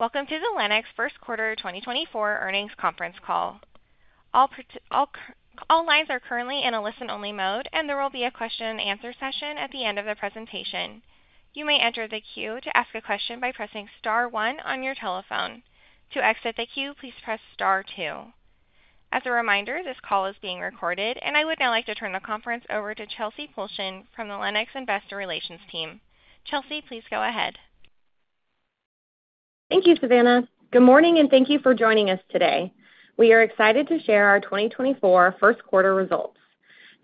Welcome to the Lennox first quarter 2024 earnings conference call. All lines are currently in a listen-only mode, and there will be a question-and-answer session at the end of the presentation. You may enter the queue to ask a question by pressing star one on your telephone. To exit the queue, please press star two. As a reminder, this call is being recorded, and I would now like to turn the conference over to Chelsey Pulcheon from the Lennox Investor Relations team. Chelsey, please go ahead. Thank you, Savannah. Good morning, and thank you for joining us today. We are excited to share our 2024 first quarter results.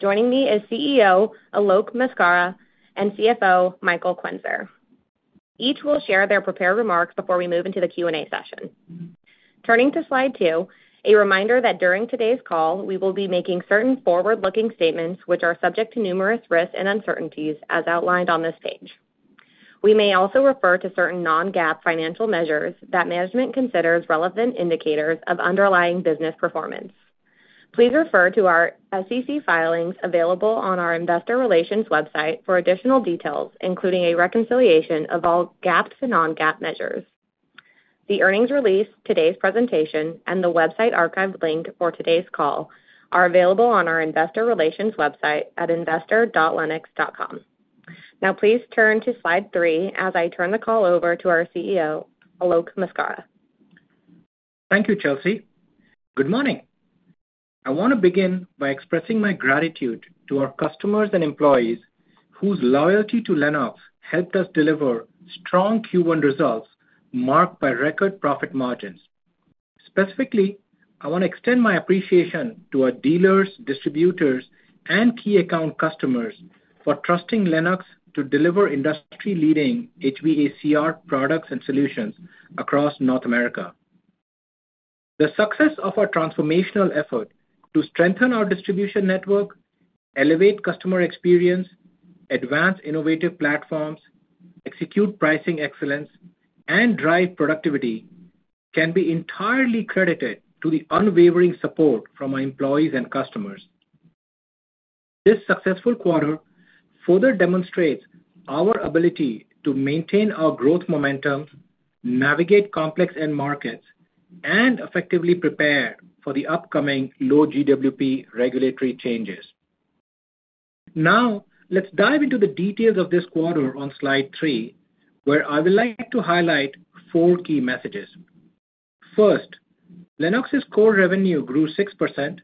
Joining me is CEO Alok Maskara and CFO Michael Quenzer. Each will share their prepared remarks before we move into the Q&A session. Turning to slide two, a reminder that during today's call we will be making certain forward-looking statements which are subject to numerous risks and uncertainties as outlined on this page. We may also refer to certain non-GAAP financial measures that management considers relevant indicators of underlying business performance. Please refer to our SEC filings available on our investor relations website for additional details, including a reconciliation of all GAAP to non-GAAP measures. The earnings release, today's presentation, and the website archive link for today's call are available on our investor relations website at investor.lennox.com. Now, please turn to slide three as I turn the call over to our CEO Alok Maskara. Thank you, Chelsey. Good morning. I want to begin by expressing my gratitude to our customers and employees whose loyalty to Lennox helped us deliver strong Q1 results marked by record profit margins. Specifically, I want to extend my appreciation to our dealers, distributors, and key account customers for trusting Lennox to deliver industry-leading HVACR products and solutions across North America. The success of our transformational effort to strengthen our distribution network, elevate customer experience, advance innovative platforms, execute pricing excellence, and drive productivity can be entirely credited to the unwavering support from our employees and customers. This successful quarter further demonstrates our ability to maintain our growth momentum, navigate complex end markets, and effectively prepare for the upcoming low GWP regulatory changes. Now, let's dive into the details of this quarter on slide three, where I would like to highlight four key messages. First, Lennox's core revenue grew 6%,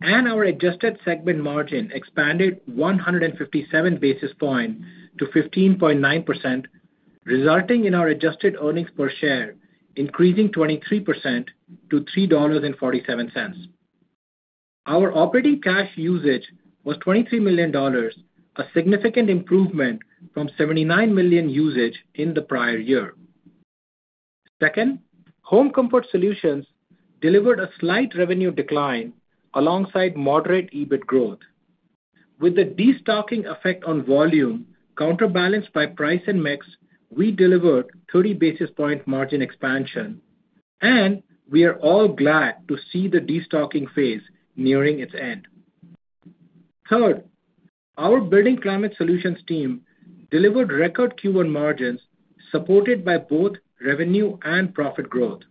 and our adjusted segment margin expanded 157 basis points to 15.9%, resulting in our adjusted earnings per share increasing 23% to $3.47. Our operating cash usage was $23 million, a significant improvement from $79 million usage in the prior year. Second, Home Comfort Solutions delivered a slight revenue decline alongside moderate EBIT growth. With the destocking effect on volume counterbalanced by price and mix, we delivered 30 basis point margin expansion, and we are all glad to see the destocking phase nearing its end. Third, our Building Climate Solutions team delivered record Q1 margins supported by both revenue and profit growth.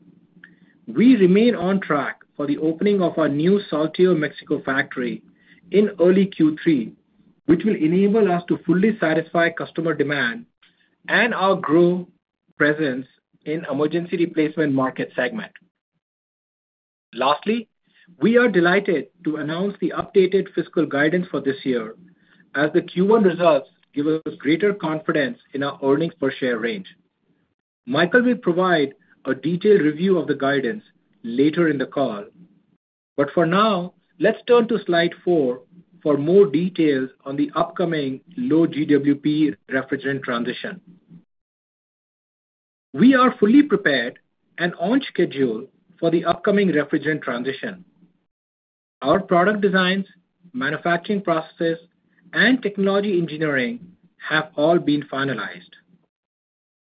We remain on track for the opening of our new Saltillo, Mexico factory in early Q3, which will enable us to fully satisfy customer demand and our growth presence in emergency replacement market segment. Lastly, we are delighted to announce the updated fiscal guidance for this year, as the Q1 results give us greater confidence in our earnings per share range. Michael will provide a detailed review of the guidance later in the call, but for now, let's turn to slide four for more details on the upcoming low GWP refrigerant transition. We are fully prepared and on schedule for the upcoming refrigerant transition. Our product designs, manufacturing processes, and technology engineering have all been finalized.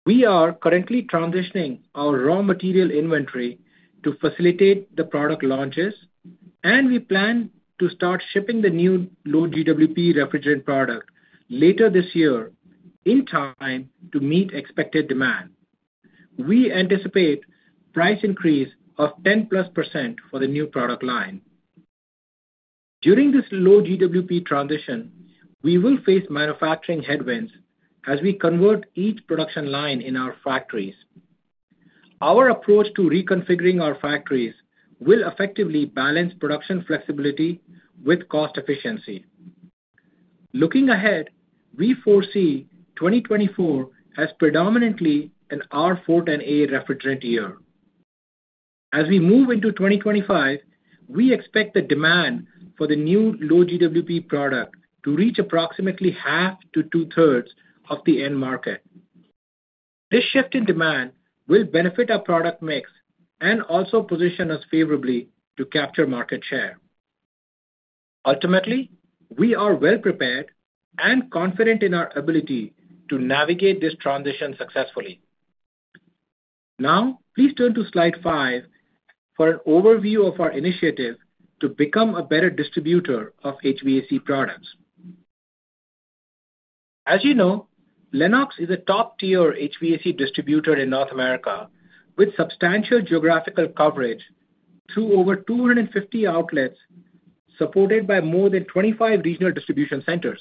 We are currently transitioning our raw material inventory to facilitate the product launches, and we plan to start shipping the new low GWP refrigerant product later this year in time to meet expected demand. We anticipate a price increase of 10%+ for the new product line. During this low GWP transition, we will face manufacturing headwinds as we convert each production line in our factories. Our approach to reconfiguring our factories will effectively balance production flexibility with cost efficiency. Looking ahead, we foresee 2024 as predominantly an R-410A refrigerant year. As we move into 2025, we expect the demand for the new low GWP product to reach approximately half to two-thirds of the end market. This shift in demand will benefit our product mix and also position us favorably to capture market share. Ultimately, we are well prepared and confident in our ability to navigate this transition successfully. Now, please turn to slide five for an overview of our initiative to become a better distributor of HVAC products. As you know, Lennox is a top-tier HVAC distributor in North America with substantial geographical coverage through over 250 outlets supported by more than 25 regional distribution centers.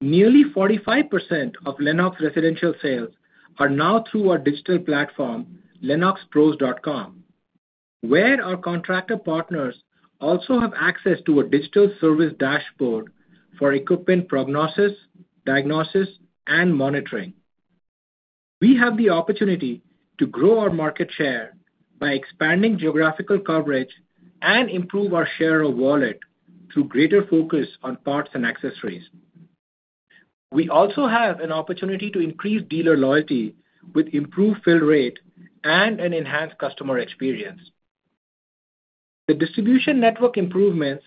Nearly 45% of Lennox residential sales are now through our digital platform, LennoxPros.com, where our contractor partners also have access to a digital service dashboard for equipment prognosis, diagnosis, and monitoring. We have the opportunity to grow our market share by expanding geographical coverage and improve our share of wallet through greater focus on parts and accessories. We also have an opportunity to increase dealer loyalty with improved fill rate and an enhanced customer experience. The distribution network improvements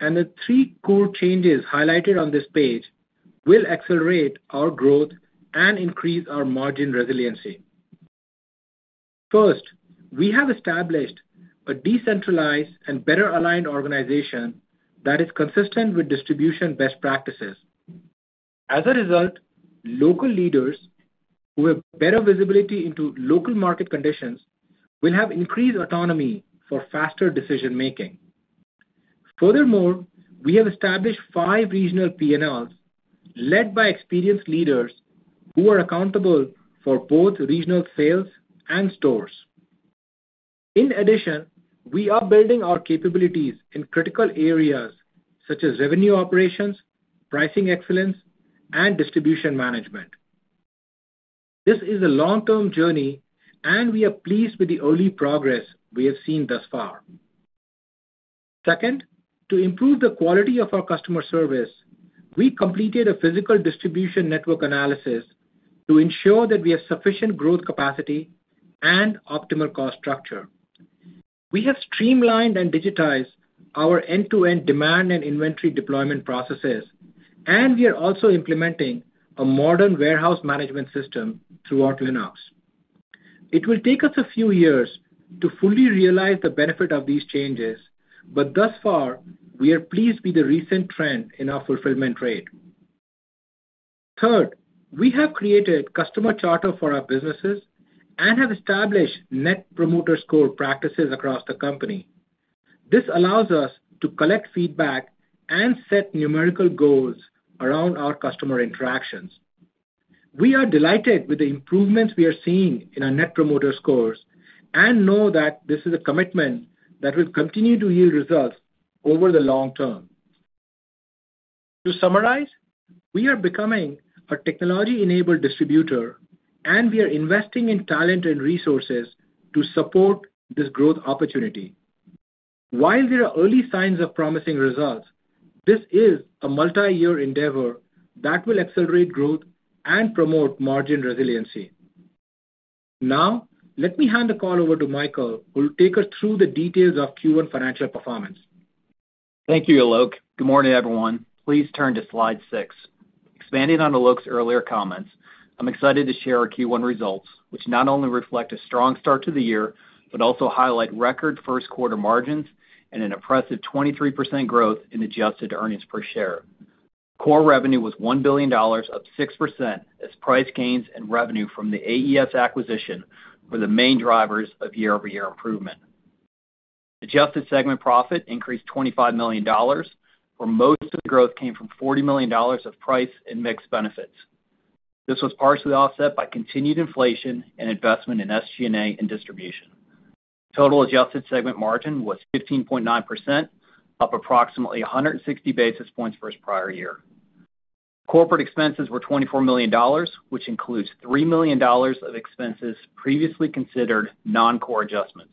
and the three core changes highlighted on this page will accelerate our growth and increase our margin resiliency. First, we have established a decentralized and better aligned organization that is consistent with distribution best practices. As a result, local leaders who have better visibility into local market conditions will have increased autonomy for faster decision-making. Furthermore, we have established five regional P&Ls led by experienced leaders who are accountable for both regional sales and stores. In addition, we are building our capabilities in critical areas such as revenue operations, pricing excellence, and distribution management. This is a long-term journey, and we are pleased with the early progress we have seen thus far. Second, to improve the quality of our customer service, we completed a physical distribution network analysis to ensure that we have sufficient growth capacity and optimal cost structure. We have streamlined and digitized our end-to-end demand and inventory deployment processes, and we are also implementing a modern warehouse management system throughout Lennox. It will take us a few years to fully realize the benefit of these changes, but thus far, we are pleased with the recent trend in our fulfillment rate. Third, we have created a customer charter for our businesses and have established Net Promoter Score practices across the company. This allows us to collect feedback and set numerical goals around our customer interactions. We are delighted with the improvements we are seeing in our Net Promoter Scores and know that this is a commitment that will continue to yield results over the long term. To summarize, we are becoming a technology-enabled distributor, and we are investing in talent and resources to support this growth opportunity. While there are early signs of promising results, this is a multi-year endeavor that will accelerate growth and promote margin resiliency. Now, let me hand the call over to Michael, who will take us through the details of Q1 financial performance. Thank you, Alok. Good morning, everyone. Please turn to slide six. Expanding on Alok's earlier comments, I'm excited to share our Q1 results, which not only reflect a strong start to the year but also highlight record first quarter margins and an impressive 23% growth in adjusted earnings per share. Core revenue was $1 billion, up 6% as price gains and revenue from the AES acquisition were the main drivers of year-over-year improvement. Adjusted segment profit increased $25 million, where most of the growth came from $40 million of price and mix benefits. This was partially offset by continued inflation and investment in SG&A and distribution. Total adjusted segment margin was 15.9%, up approximately 160 basis points for its prior year. Corporate expenses were $24 million, which includes $3 million of expenses previously considered non-core adjustments.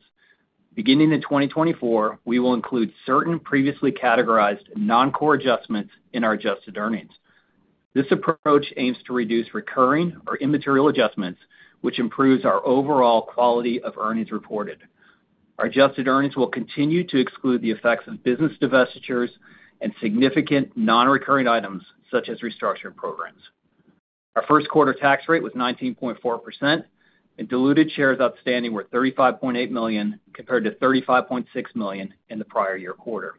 Beginning in 2024, we will include certain previously categorized non-core adjustments in our adjusted earnings. This approach aims to reduce recurring or immaterial adjustments, which improves our overall quality of earnings reported. Our adjusted earnings will continue to exclude the effects of business divestitures and significant non-recurring items such as restructuring programs. Our first quarter tax rate was 19.4%, and diluted shares outstanding were 35.8 million compared to 35.6 million in the prior year quarter.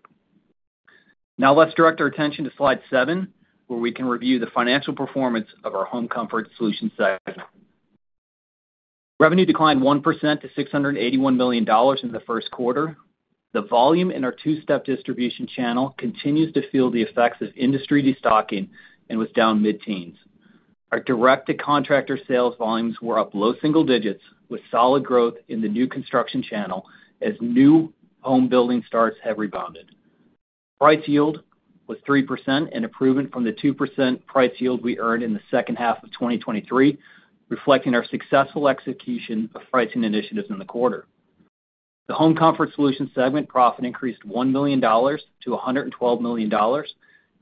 Now, let's direct our attention to slide seven, where we can review the financial performance of our Home Comfort Solutions segment. Revenue declined 1% to $681 million in the first quarter. The volume in our two-step distribution channel continues to feel the effects of industry destocking and was down mid-teens. Our direct-to-contractor sales volumes were up low single digits, with solid growth in the new construction channel as new home building starts have rebounded. Price yield was 3%, an improvement from the 2% price yield we earned in the second half of 2023, reflecting our successful execution of pricing initiatives in the quarter. The Home Comfort Solutions segment profit increased $1 million to $112 million,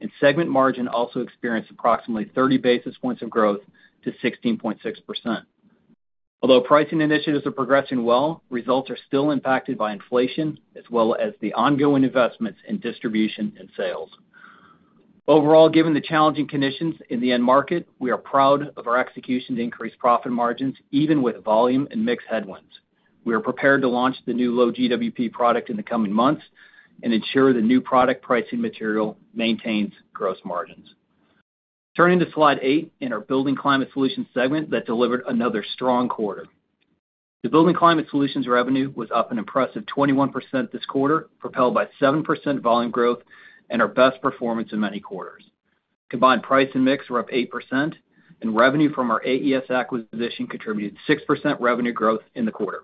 and segment margin also experienced approximately 30 basis points of growth to 16.6%. Although pricing initiatives are progressing well, results are still impacted by inflation as well as the ongoing investments in distribution and sales. Overall, given the challenging conditions in the end market, we are proud of our execution to increase profit margins even with volume and mixed headwinds. We are prepared to launch the new low GWP product in the coming months and ensure the new product pricing material maintains gross margins. Turning to slide eight in our Building Climate Solutions segment that delivered another strong quarter. The Building Climate Solutions revenue was up an impressive 21% this quarter, propelled by 7% volume growth and our best performance in many quarters. Combined price and mix were up 8%, and revenue from our AES acquisition contributed 6% revenue growth in the quarter.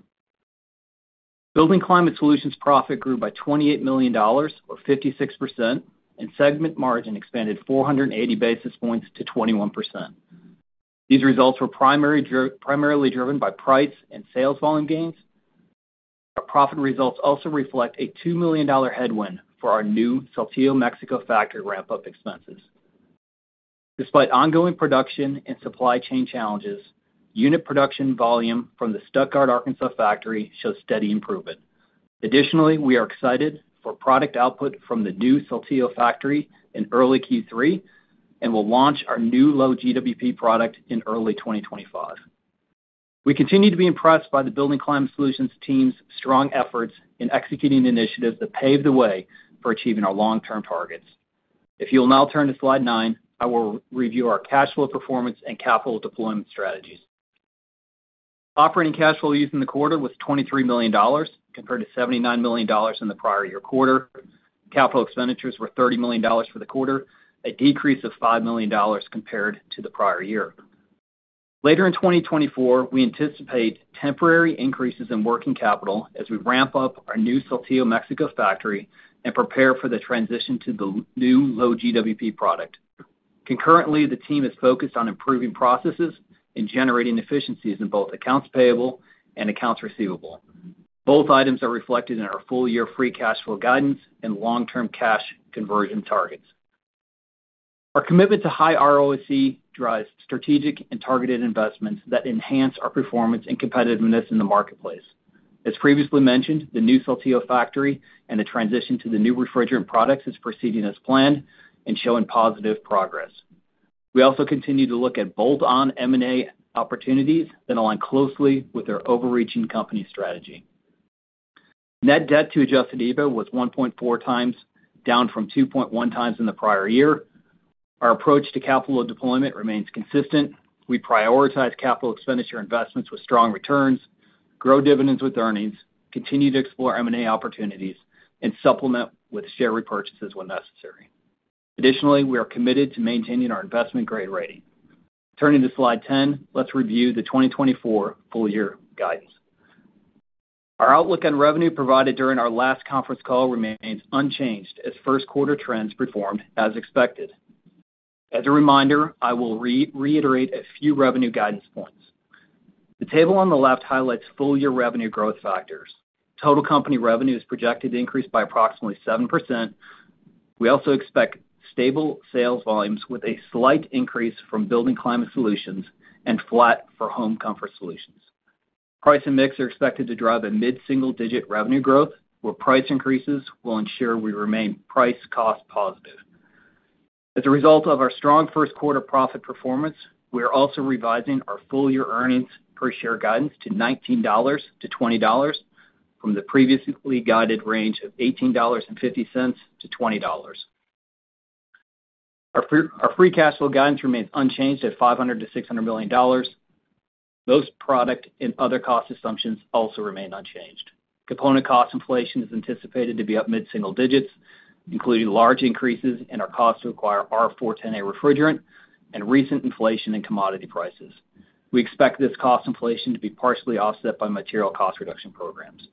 Building Climate Solutions profit grew by $28 million, or 56%, and segment margin expanded 480 basis points to 21%. These results were primarily driven by price and sales volume gains. Our profit results also reflect a $2 million headwind for our new Saltillo, Mexico factory ramp-up expenses. Despite ongoing production and supply chain challenges, unit production volume from the Stuttgart, Arkansas factory shows steady improvement. Additionally, we are excited for product output from the new Saltillo factory in early Q3 and will launch our new low GWP product in early 2025. We continue to be impressed by the Building Climate Solutions team's strong efforts in executing initiatives that paved the way for achieving our long-term targets. If you will now turn to slide nine, I will review our cash flow performance and capital deployment strategies. Operating cash flow used in the quarter was $23 million compared to $79 million in the prior year quarter. Capital expenditures were $30 million for the quarter, a decrease of $5 million compared to the prior year. Later in 2024, we anticipate temporary increases in working capital as we ramp up our new Saltillo, Mexico factory and prepare for the transition to the new low GWP product. Concurrently, the team is focused on improving processes and generating efficiencies in both accounts payable and accounts receivable. Both items are reflected in our full-year free cash flow guidance and long-term cash conversion targets. Our commitment to high ROIC drives strategic and targeted investments that enhance our performance and competitiveness in the marketplace. As previously mentioned, the new Saltillo factory and the transition to the new refrigerant products is proceeding as planned and showing positive progress. We also continue to look at bolt-on M&A opportunities that align closely with our overarching company strategy. Net debt to adjusted EBITDA was 1.4x, down from 2.1x in the prior year. Our approach to capital deployment remains consistent. We prioritize capital expenditure investments with strong returns, grow dividends with earnings, continue to explore M&A opportunities, and supplement with share repurchases when necessary. Additionally, we are committed to maintaining our investment-grade rating. Turning to slide 10, let's review the 2024 full-year guidance. Our outlook on revenue provided during our last conference call remains unchanged as first-quarter trends performed as expected. As a reminder, I will reiterate a few revenue guidance points. The table on the left highlights full-year revenue growth factors. Total company revenue is projected to increase by approximately 7%. We also expect stable sales volumes with a slight increase from Building Climate Solutions and flat for Home Comfort Solutions. Price and mix are expected to drive a mid-single digit revenue growth, where price increases will ensure we remain price-cost positive. As a result of our strong first-quarter profit performance, we are also revising our full-year earnings per share guidance to $19-$20 from the previously guided range of $18.50-$20. Our free cash flow guidance remains unchanged at $500 million-$600 million. Most product and other cost assumptions also remain unchanged. Component cost inflation is anticipated to be up mid-single digits, including large increases in our cost to acquire R-410A refrigerant and recent inflation in commodity prices. We expect this cost inflation to be partially offset by material cost reduction programs.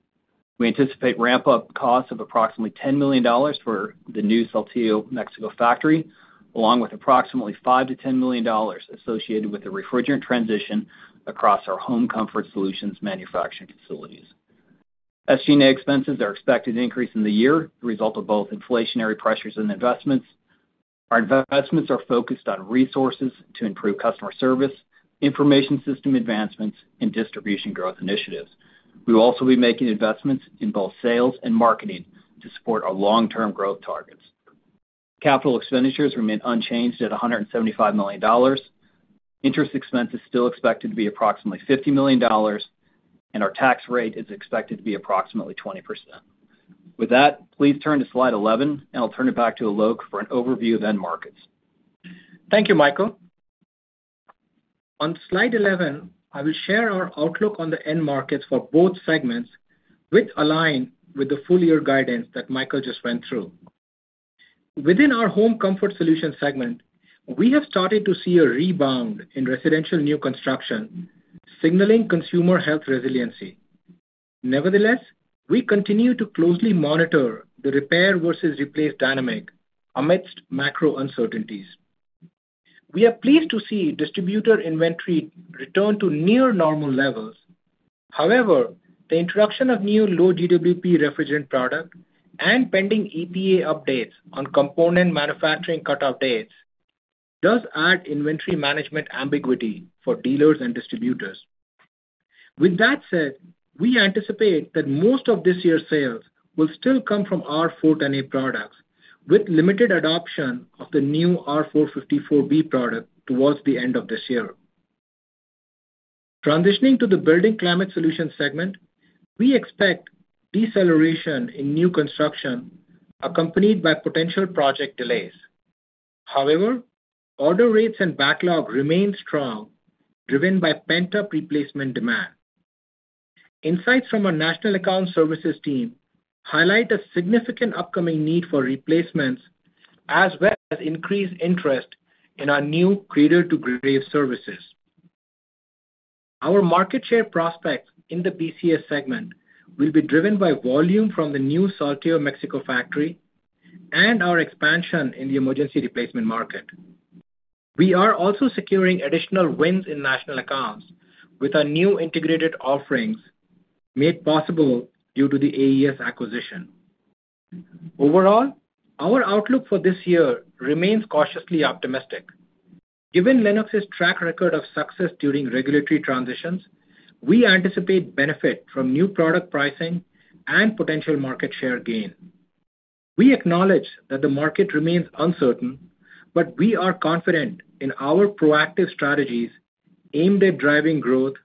We anticipate ramp-up costs of approximately $10 million for the new Saltillo, Mexico factory, along with approximately $5 million-$10 million associated with the refrigerant transition across our Home Comfort Solutions manufacturing facilities. SG&A expenses are expected to increase in the year as a result of both inflationary pressures and investments. Our investments are focused on resources to improve customer service, information system advancements, and distribution growth initiatives. We will also be making investments in both sales and marketing to support our long-term growth targets. Capital expenditures remain unchanged at $175 million. Interest expenses are still expected to be approximately $50 million, and our tax rate is expected to be approximately 20%. With that, please turn to slide 11, and I'll turn it back to Alok for an overview of end markets. Thank you, Michael. On slide 11, I will share our outlook on the end markets for both segments, which align with the full-year guidance that Michael just went through. Within our Home Comfort Solutions segment, we have started to see a rebound in residential new construction, signaling consumer health resiliency. Nevertheless, we continue to closely monitor the repair versus replace dynamic amidst macro uncertainties. We are pleased to see distributor inventory return to near-normal levels. However, the introduction of new low GWP refrigerant product and pending EPA updates on component manufacturing cutoff dates does add inventory management ambiguity for dealers and distributors. With that said, we anticipate that most of this year's sales will still come from R-410A products, with limited adoption of the new R-454B product towards the end of this year. Transitioning to the Building Climate Solutions segment, we expect deceleration in new construction accompanied by potential project delays. However, order rates and backlog remain strong, driven by pent-up replacement demand. Insights from our national account services team highlight a significant upcoming need for replacements as well as increased interest in our new cradle-to-grave services. Our market share prospects in the BCS segment will be driven by volume from the new Saltillo, Mexico factory and our expansion in the emergency replacement market. We are also securing additional wins in national accounts with our new integrated offerings made possible due to the AES acquisition. Overall, our outlook for this year remains cautiously optimistic. Given Lennox's track record of success during regulatory transitions, we anticipate benefit from new product pricing and potential market share gain. We acknowledge that the market remains uncertain, but we are confident in our proactive strategies aimed at driving growth,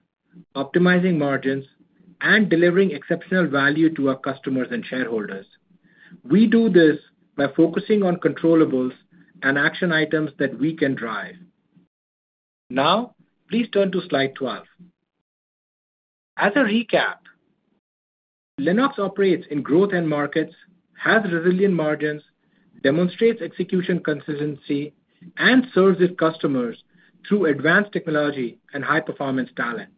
optimizing margins, and delivering exceptional value to our customers and shareholders. We do this by focusing on controllable and action items that we can drive. Now, please turn to slide 12. As a recap, Lennox operates in growth-end markets, has resilient margins, demonstrates execution consistency, and serves its customers through advanced technology and high-performance talent.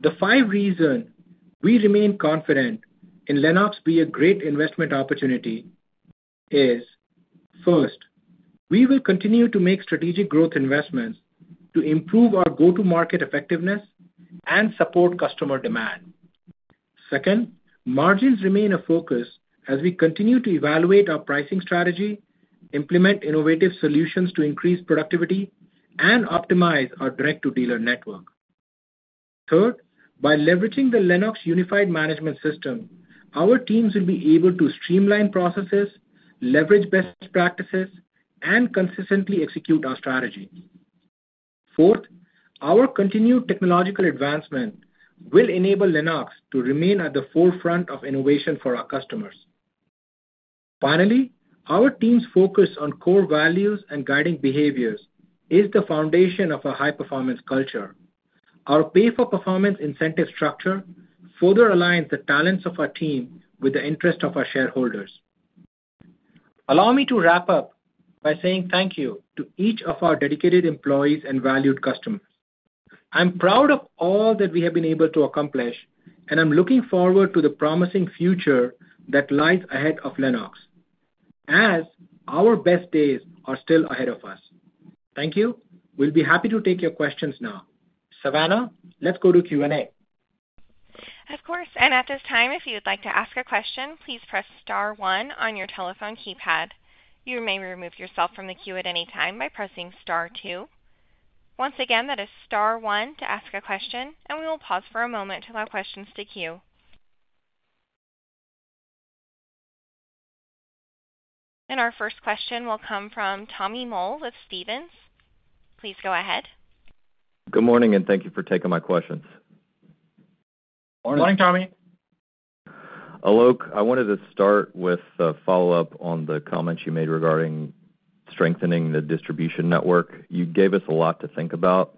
The five reasons we remain confident in Lennox being a great investment opportunity are: first, we will continue to make strategic growth investments to improve our go-to-market effectiveness and support customer demand. Second, margins remain a focus as we continue to evaluate our pricing strategy, implement innovative solutions to increase productivity, and optimize our direct-to-dealer network. Third, by leveraging the Lennox Unified Management System, our teams will be able to streamline processes, leverage best practices, and consistently execute our strategy. Fourth, our continued technological advancement will enable Lennox to remain at the forefront of innovation for our customers. Finally, our team's focus on core values and guiding behaviors is the foundation of a high-performance culture. Our pay-for-performance incentive structure further aligns the talents of our team with the interests of our shareholders. Allow me to wrap up by saying thank you to each of our dedicated employees and valued customers. I'm proud of all that we have been able to accomplish, and I'm looking forward to the promising future that lies ahead of Lennox, as our best days are still ahead of us. Thank you. We'll be happy to take your questions now. Savannah, let's go to Q&A. Of course. And at this time, if you would like to ask a question, please press star one on your telephone keypad. You may remove yourself from the queue at any time by pressing star two. Once again, that is star one to ask a question, and we will pause for a moment to allow questions to queue. And our first question will come from Tommy Moll with Stephens. Please go ahead. Good morning, and thank you for taking my questions. Morning, Tommy. Alok, I wanted to start with a follow-up on the comments you made regarding strengthening the distribution network. You gave us a lot to think about.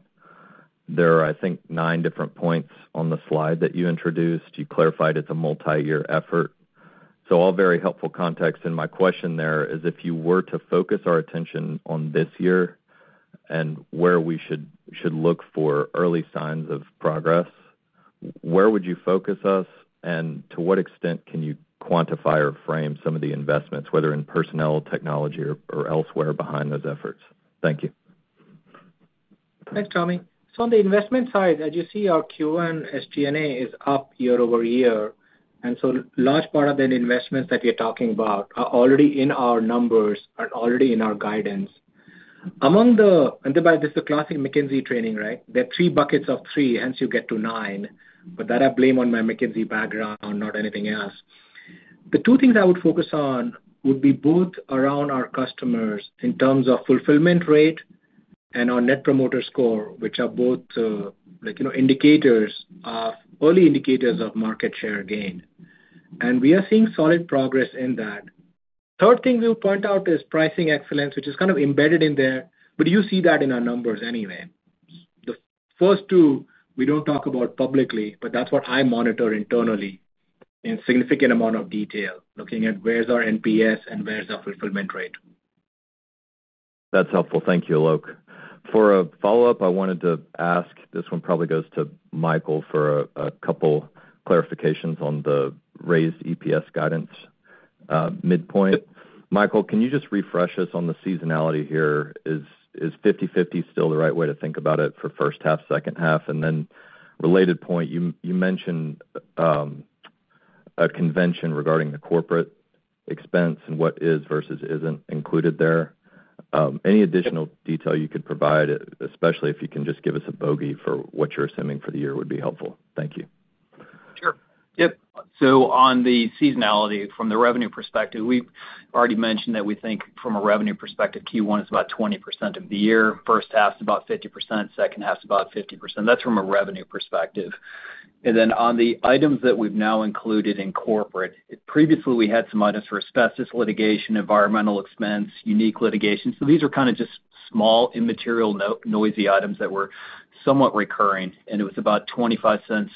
There are, I think, nine different points on the slide that you introduced. You clarified it's a multi-year effort. So all very helpful context. And my question there is, if you were to focus our attention on this year and where we should look for early signs of progress, where would you focus us, and to what extent can you quantify or frame some of the investments, whether in personnel, technology, or elsewhere behind those efforts? Thank you. Thanks, Tommy. So on the investment side, as you see, our capex and SG&A is up year-over-year. And so a large part of the investments that we're talking about are already in our numbers and already in our guidance. And why this is the classic McKinsey training, right? There are three buckets of three, hence you get to nine. But that, I blame on my McKinsey background, not anything else. The two things I would focus on would be both around our customers in terms of fulfillment rate and our Net Promoter Score, which are both early indicators of market share gain. And we are seeing solid progress in that. The third thing we would point out is pricing excellence, which is kind of embedded in there, but you see that in our numbers anyway. The first two, we don't talk about publicly, but that's what I monitor internally in a significant amount of detail, looking at where's our NPS and where's our fulfillment rate. That's helpful. Thank you, Alok. For a follow-up, I wanted to ask this one probably goes to Michael for a couple clarifications on the raised EPS guidance midpoint. Michael, can you just refresh us on the seasonality here? Is 50/50 still the right way to think about it for first half, second half? And then related point, you mentioned a convention regarding the corporate expense and what is versus isn't included there. Any additional detail you could provide, especially if you can just give us a bogey for what you're assuming for the year would be helpful. Thank you. Sure. Yep. So on the seasonality, from the revenue perspective, we've already mentioned that we think from a revenue perspective, Q1 is about 20% of the year, first half's about 50%, second half's about 50%. That's from a revenue perspective. And then on the items that we've now included in corporate, previously, we had some items for asbestos litigation, environmental expense, unique litigation. So these are kind of just small, immaterial, noisy items that were somewhat recurring. And it was about $0.25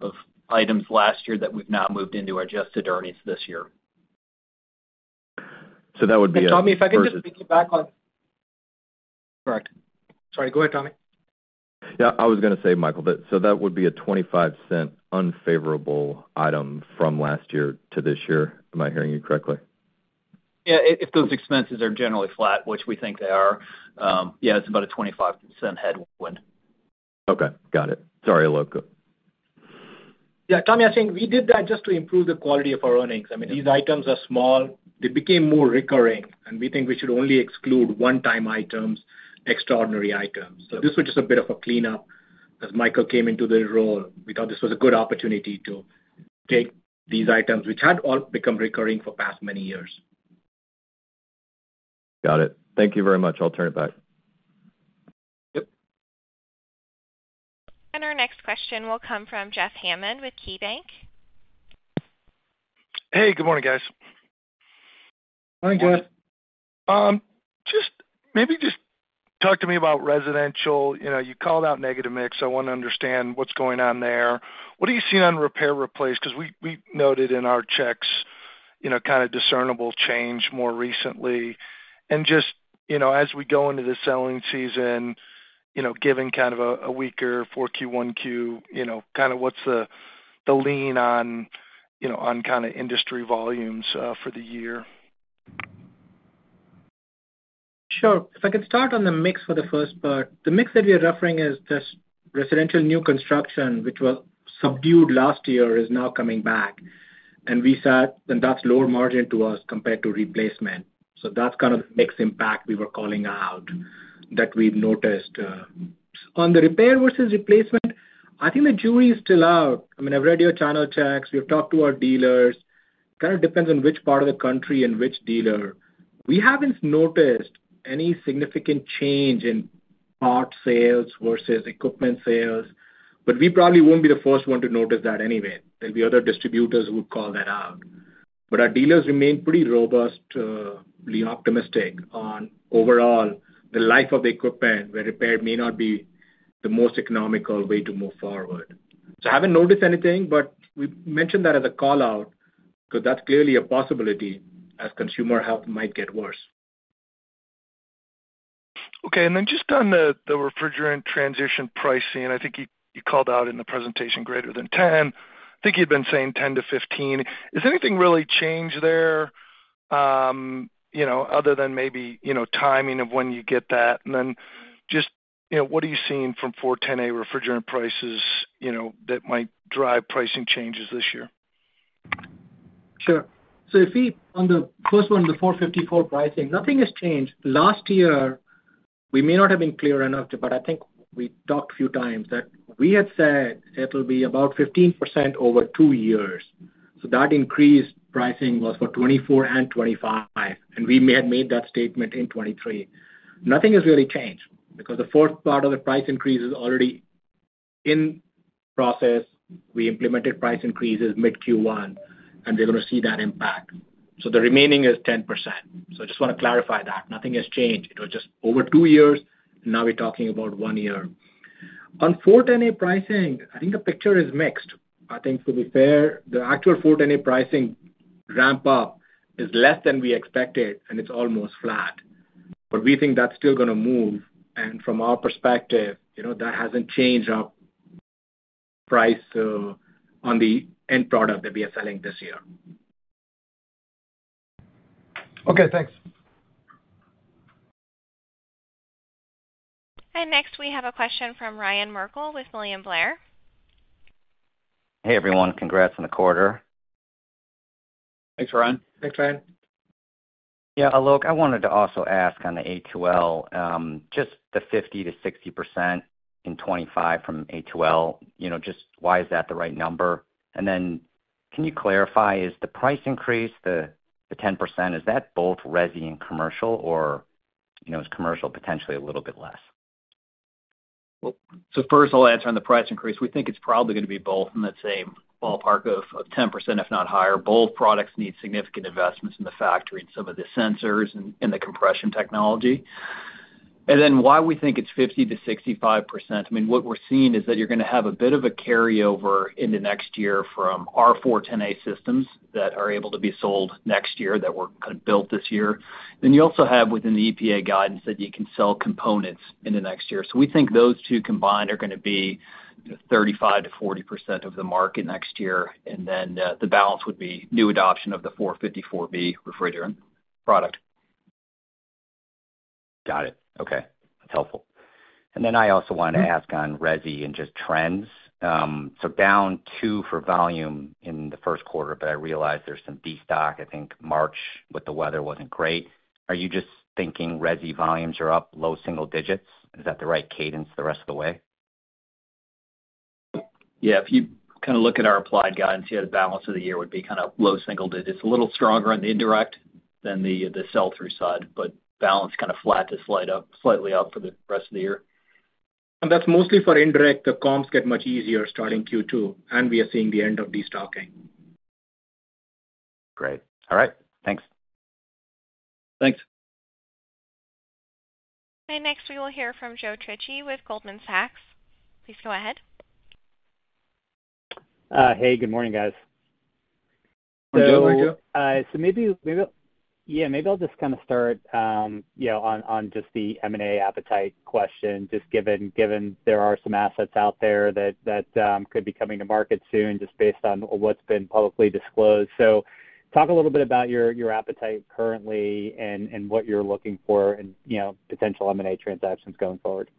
of items last year that we've now moved into our adjusted earnings this year. That would be a first. Tommy, if I can just piggyback on. Correct. Sorry. Go ahead, Tommy. Yeah. I was going to say, Michael, so that would be a $0.25 unfavorable item from last year to this year. Am I hearing you correctly? Yeah. If those expenses are generally flat, which we think they are, yeah, it's about a $0.25 headwind. Okay. Got it. Sorry, Alok. Yeah. Tommy, I think we did that just to improve the quality of our earnings. I mean, these items are small. They became more recurring, and we think we should only exclude one-time items, extraordinary items. So this was just a bit of a cleanup. As Michael came into the role, we thought this was a good opportunity to take these items, which had all become recurring for past many years. Got it. Thank you very much. I'll turn it back. Yep. Our next question will come from Jeff Hammond with KeyBanc. Hey. Good morning, guys. Morning, Jeff. Maybe just talk to me about residential. You called out negative mix. I want to understand what's going on there. What are you seeing on repair-replace? Because we noted in our checks kind of discernible change more recently. And just as we go into the selling season, given kind of a weaker 4Q, 1Q, kind of what's the lean on kind of industry volumes for the year? Sure. If I could start on the mix for the first part. The mix that we are referring is this residential new construction, which was subdued last year, is now coming back. That's lower margin to us compared to replacement. That's kind of the mix impact we were calling out that we've noticed. On the repair versus replacement, I think the jury is still out. I mean, I've read your channel checks. We've talked to our dealers. Kind of depends on which part of the country and which dealer. We haven't noticed any significant change in part sales versus equipment sales, but we probably won't be the first one to notice that anyway. There'll be other distributors who would call that out. Our dealers remain pretty robustly optimistic on overall the life of the equipment, where repair may not be the most economical way to move forward. I haven't noticed anything, but we mentioned that as a callout because that's clearly a possibility as consumer health might get worse. Okay. And then just on the refrigerant transition pricing, I think you called out in the presentation greater than 10%. I think you'd been saying 10%-15%. Has anything really changed there other than maybe timing of when you get that? And then just what are you seeing from R-410A refrigerant prices that might drive pricing changes this year? Sure. So on the first one, the R-454B pricing, nothing has changed. Last year, we may not have been clear enough, but I think we talked a few times that we had said it'll be about 15% over two years. So that increased pricing was for 2024 and 2025, and we had made that statement in 2023. Nothing has really changed because the fourth part of the price increase is already in process. We implemented price increases mid-Q1, and we're going to see that impact. So the remaining is 10%. So I just want to clarify that. Nothing has changed. It was just over two years, and now we're talking about one year. On R-410A pricing, I think the picture is mixed. I think, to be fair, the actual R-410A pricing ramp-up is less than we expected, and it's almost flat. But we think that's still going to move. From our perspective, that hasn't changed our price on the end product that we are selling this year. Okay. Thanks. Next, we have a question from Ryan Merkel with William Blair. Hey, everyone. Congrats on the quarter. Thanks, Ryan. Thanks, Ryan. Yeah. Alok, I wanted to also ask on the A2L, just the 50%-60% in 2025 from A2L, just why is that the right number? And then can you clarify, is the price increase, the 10%, is that both resi and commercial, or is commercial potentially a little bit less? Well, so first, I'll answer on the price increase. We think it's probably going to be both in that same ballpark of 10%, if not higher. Both products need significant investments in the factory and some of the sensors and the compression technology. And then why we think it's 50%-65%, I mean, what we're seeing is that you're going to have a bit of a carryover into next year from our R-410A systems that are able to be sold next year that were kind of built this year. Then you also have, within the EPA guidance, that you can sell components into next year. So we think those two combined are going to be 35%-40% of the market next year. And then the balance would be new adoption of the R-454B refrigerant product. Got it. Okay. That's helpful. And then I also wanted to ask on resi and just trends. So down 2 for volume in the first quarter, but I realize there's some de-stock. I think March with the weather wasn't great. Are you just thinking resi volumes are up, low single digits? Is that the right cadence the rest of the way? Yeah. If you kind of look at our applied guidance, yeah, the balance of the year would be kind of low single digits, a little stronger on the indirect than the sell-through side, but balanced kind of flat to slightly up for the rest of the year. And that's mostly for indirect. The comps get much easier starting Q2, and we are seeing the end of de-stocking. Great. All right. Thanks. Thanks. Next, we will hear from Joe Ritchie with Goldman Sachs. Please go ahead. Hey. Good morning, guys. How are you doing? So maybe I'll just kind of start on just the M&A appetite question, just given there are some assets out there that could be coming to market soon just based on what's been publicly disclosed. So talk a little bit about your appetite currently and what you're looking for in potential M&A transactions going forward.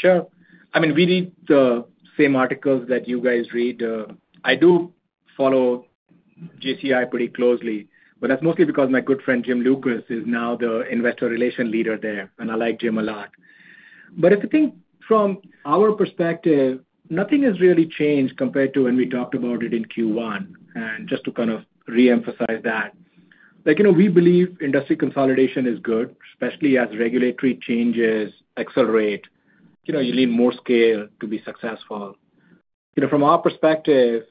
Sure. I mean, we read the same articles that you guys read. I do follow JCI pretty closely, but that's mostly because my good friend Jim Lucas is now the investor relations leader there, and I like Jim a lot. But if you think from our perspective, nothing has really changed compared to when we talked about it in Q1. Just to kind of reemphasize that, we believe industry consolidation is good, especially as regulatory changes accelerate. You need more scale to be successful. From our perspective,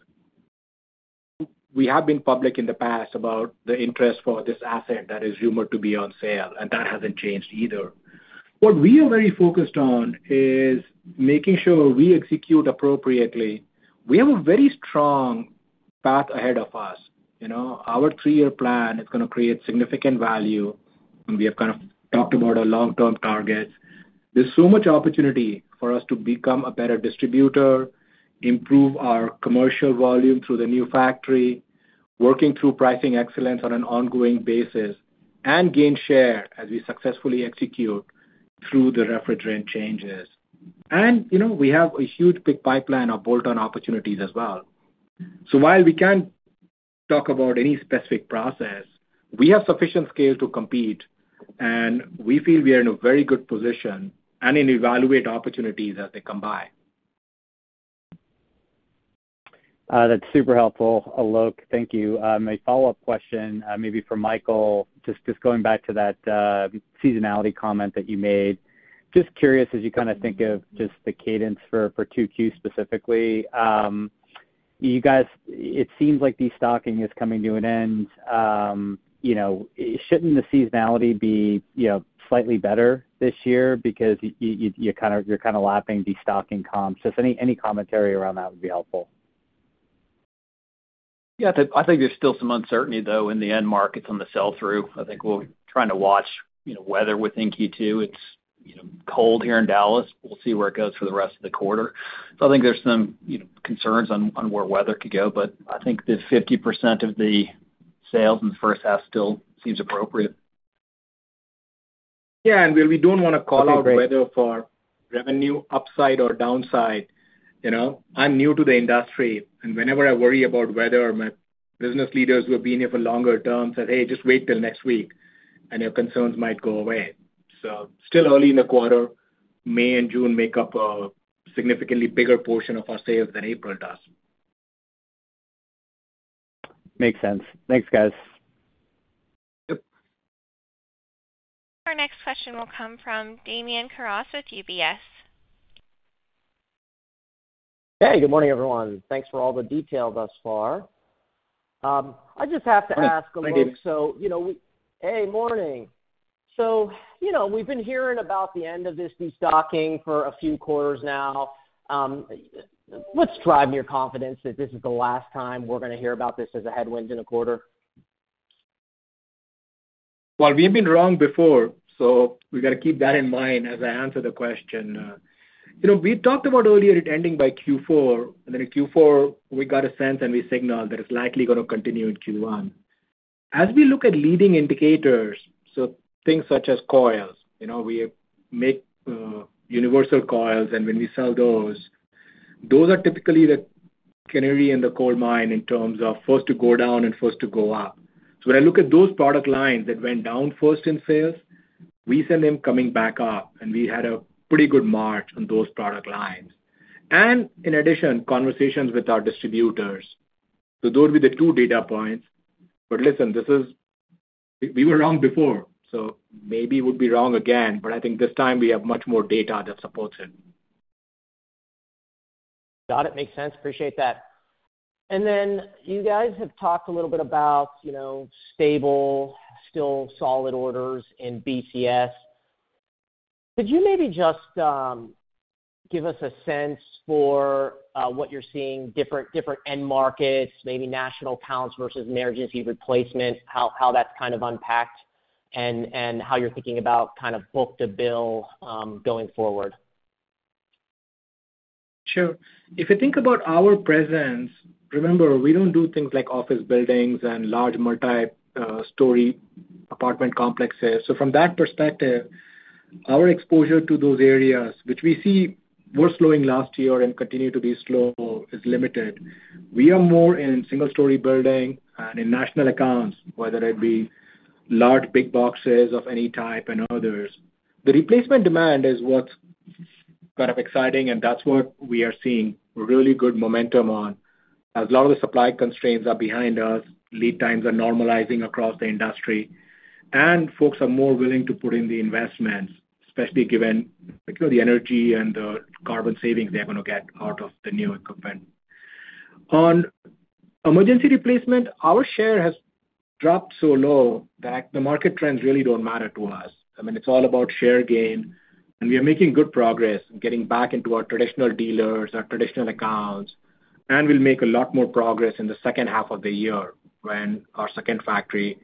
we have been public in the past about the interest for this asset that is rumored to be on sale, and that hasn't changed either. What we are very focused on is making sure we execute appropriately. We have a very strong path ahead of us. Our three-year plan is going to create significant value, and we have kind of talked about our long-term targets. There's so much opportunity for us to become a better distributor, improve our commercial volume through the new factory, working through pricing excellence on an ongoing basis, and gain share as we successfully execute through the refrigerant changes. And we have a huge big pipeline of bolt-on opportunities as well. So while we can't talk about any specific process, we have sufficient scale to compete, and we feel we are in a very good position and to evaluate opportunities as they come by. That's super helpful, Alok. Thank you. A follow-up question maybe for Michael, just going back to that seasonality comment that you made. Just curious, as you kind of think of just the cadence for Q2 specifically, it seems like de-stocking is coming to an end. Shouldn't the seasonality be slightly better this year because you're kind of lapping de-stocking comps? Just any commentary around that would be helpful. Yeah. I think there's still some uncertainty, though. In the end, market's on the sell-through. I think we'll be trying to watch weather within Q2. It's cold here in Dallas. We'll see where it goes for the rest of the quarter. So I think there's some concerns on where weather could go, but I think the 50% of the sales in the first half still seems appropriate. Yeah. And we don't want to call out weather for revenue upside or downside. I'm new to the industry, and whenever I worry about weather, my business leaders who have been here for longer terms said, "Hey, just wait till next week," and your concerns might go away. So still early in the quarter, May and June make up a significantly bigger portion of our sales than April does. Makes sense. Thanks, guys. Yep. Our next question will come from Damian Karas with UBS. Hey. Good morning, everyone. Thanks for all the details thus far. I just have to ask a little. Hi, David. So, hey, morning. We've been hearing about the end of this de-stocking for a few quarters now. What's driving your confidence that this is the last time we're going to hear about this as a headwind in a quarter? Well, we have been wrong before, so we got to keep that in mind as I answer the question. We talked about earlier it ending by Q4, and then in Q4, we got a sense and we signaled that it's likely going to continue in Q1. As we look at leading indicators, so things such as coils, we make universal coils, and when we sell those, those are typically the canary in the coal mine in terms of first to go down and first to go up. So when I look at those product lines that went down first in sales, we see them coming back up, and we had a pretty good March on those product lines. And in addition, conversations with our distributors. So those would be the two data points. But listen, we were wrong before, so maybe we'd be wrong again, but I think this time we have much more data that supports it. Got it. Makes sense. Appreciate that. And then you guys have talked a little bit about stable, still solid orders in BCS. Could you maybe just give us a sense for what you're seeing different end markets, maybe national accounts versus emergency replacement, how that's kind of unpacked, and how you're thinking about kind of book-to-bill going forward? Sure. If you think about our presence, remember, we don't do things like office buildings and large multi-story apartment complexes. So from that perspective, our exposure to those areas, which we see were slowing last year and continue to be slow, is limited. We are more in single-story building and in national accounts, whether it be large, big boxes of any type and others. The replacement demand is what's kind of exciting, and that's what we are seeing really good momentum on. As a lot of the supply constraints are behind us, lead times are normalizing across the industry, and folks are more willing to put in the investments, especially given the energy and the carbon savings they're going to get out of the new equipment. On emergency replacement, our share has dropped so low that the market trends really don't matter to us. I mean, it's all about share gain, and we are making good progress getting back into our traditional dealers, our traditional accounts, and we'll make a lot more progress in the second half of the year when our second factory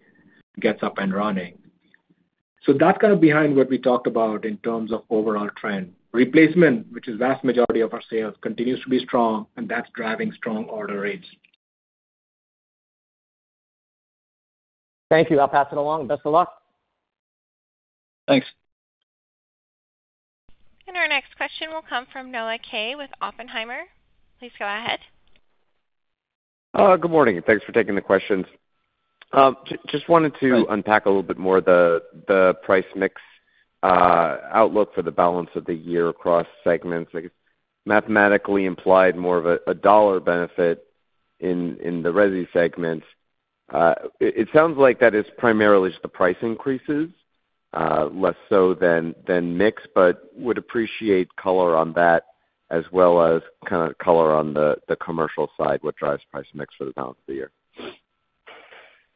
gets up and running. So that's kind of behind what we talked about in terms of overall trend. Replacement, which is the vast majority of our sales, continues to be strong, and that's driving strong order rates. Thank you. I'll pass it along. Best of luck. Thanks. Our next question will come from Noah Kaye with Oppenheimer. Please go ahead. Good morning. Thanks for taking the questions. Just wanted to unpack a little bit more the price mix outlook for the balance of the year across segments. I guess mathematically implied more of a dollar benefit in the resi segments. It sounds like that is primarily just the price increases, less so than mix, but would appreciate color on that as well as kind of color on the commercial side, what drives price mix for the balance of the year.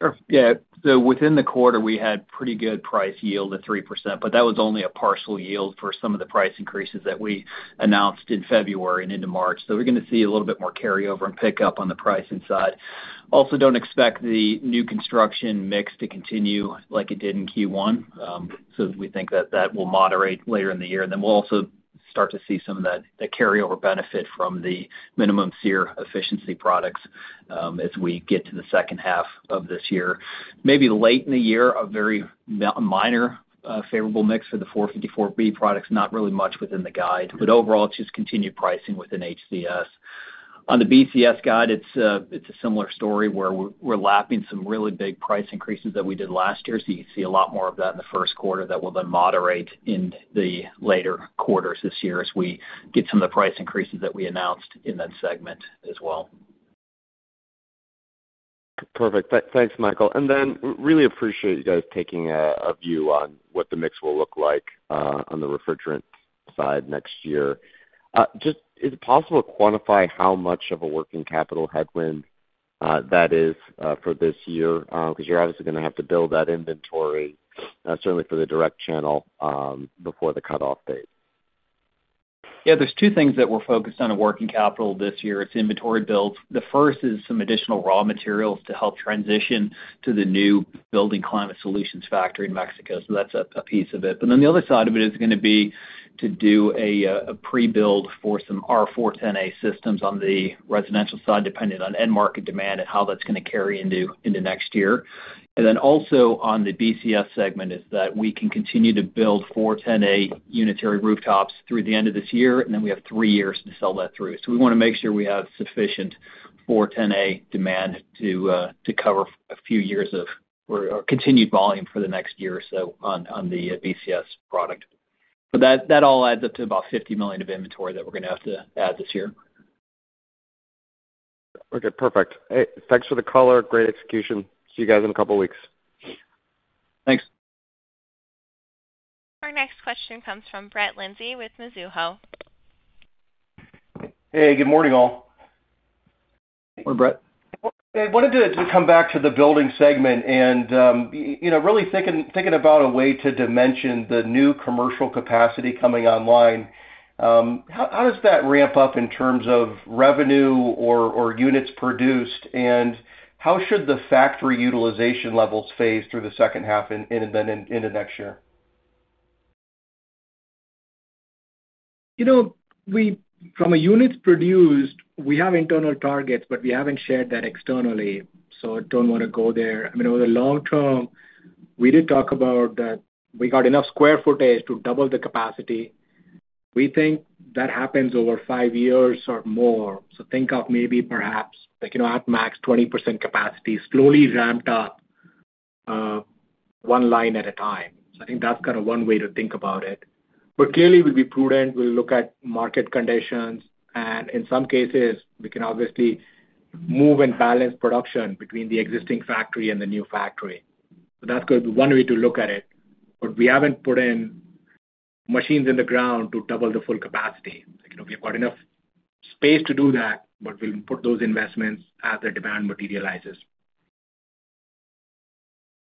Sure. Yeah. So within the quarter, we had pretty good price yield at 3%, but that was only a partial yield for some of the price increases that we announced in February and into March. So we're going to see a little bit more carryover and pickup on the pricing side. Also, don't expect the new construction mix to continue like it did in Q1. So we think that that will moderate later in the year. And then we'll also start to see some of that carryover benefit from the minimum SEER efficiency products as we get to the second half of this year. Maybe late in the year, a very minor favorable mix for the R-454B products, not really much within the guide, but overall, it's just continued pricing within HCS. On the BCS guide, it's a similar story where we're lapping some really big price increases that we did last year. You can see a lot more of that in the first quarter, that will then moderate in the later quarters this year as we get some of the price increases that we announced in that segment as well. Perfect. Thanks, Michael. Then really appreciate you guys taking a view on what the mix will look like on the refrigerant side next year. Just, is it possible to quantify how much of a working capital headwind that is for this year? Because you're obviously going to have to build that inventory, certainly for the direct channel before the cutoff date. Yeah. There's two things that we're focused on in working capital this year. It's inventory builds. The first is some additional raw materials to help transition to the new Building Climate Solutions factory in Mexico. So that's a piece of it. But then the other side of it is going to be to do a pre-build for some R-410A systems on the residential side, depending on end-market demand and how that's going to carry into next year. And then also on the BCS segment is that we can continue to build R-410A unitary rooftops through the end of this year, and then we have three years to sell that through. So we want to make sure we have sufficient R-410A demand to cover a few years of or continued volume for the next year or so on the BCS product. That all adds up to about $50 million of inventory that we're going to have to add this year. Okay. Perfect. Thanks for the color. Great execution. See you guys in a couple of weeks. Thanks. Our next question comes from Brett Linzey with Mizuho. Hey. Good morning, all. Hey. What do you want to do to come back to the building segment and really thinking about a way to dimension the new commercial capacity coming online, how does that ramp up in terms of revenue or units produced, and how should the factory utilization levels phase through the second half and then into next year? From a units produced, we have internal targets, but we haven't shared that externally, so I don't want to go there. I mean, over the long term, we did talk about that we got enough square footage to double the capacity. We think that happens over five years or more. So think of maybe, perhaps, at max 20% capacity, slowly ramped up one line at a time. So I think that's kind of one way to think about it. But clearly, we'll be prudent. We'll look at market conditions. And in some cases, we can obviously move and balance production between the existing factory and the new factory. So that's going to be one way to look at it. But we haven't put in machines in the ground to double the full capacity. We've got enough space to do that, but we'll put those investments as the demand materializes.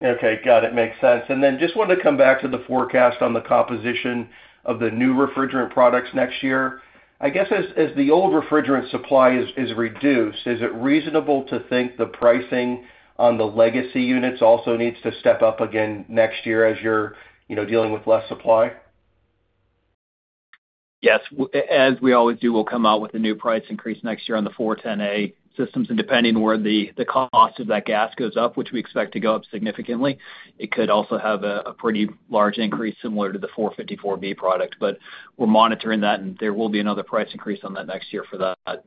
Okay. Got it. Makes sense. And then just wanted to come back to the forecast on the composition of the new refrigerant products next year. I guess as the old refrigerant supply is reduced, is it reasonable to think the pricing on the legacy units also needs to step up again next year as you're dealing with less supply? Yes. As we always do, we'll come out with a new price increase next year on the R-410A systems. And depending where the cost of that gas goes up, which we expect to go up significantly, it could also have a pretty large increase similar to the R-454B product. But we're monitoring that, and there will be another price increase on that next year for that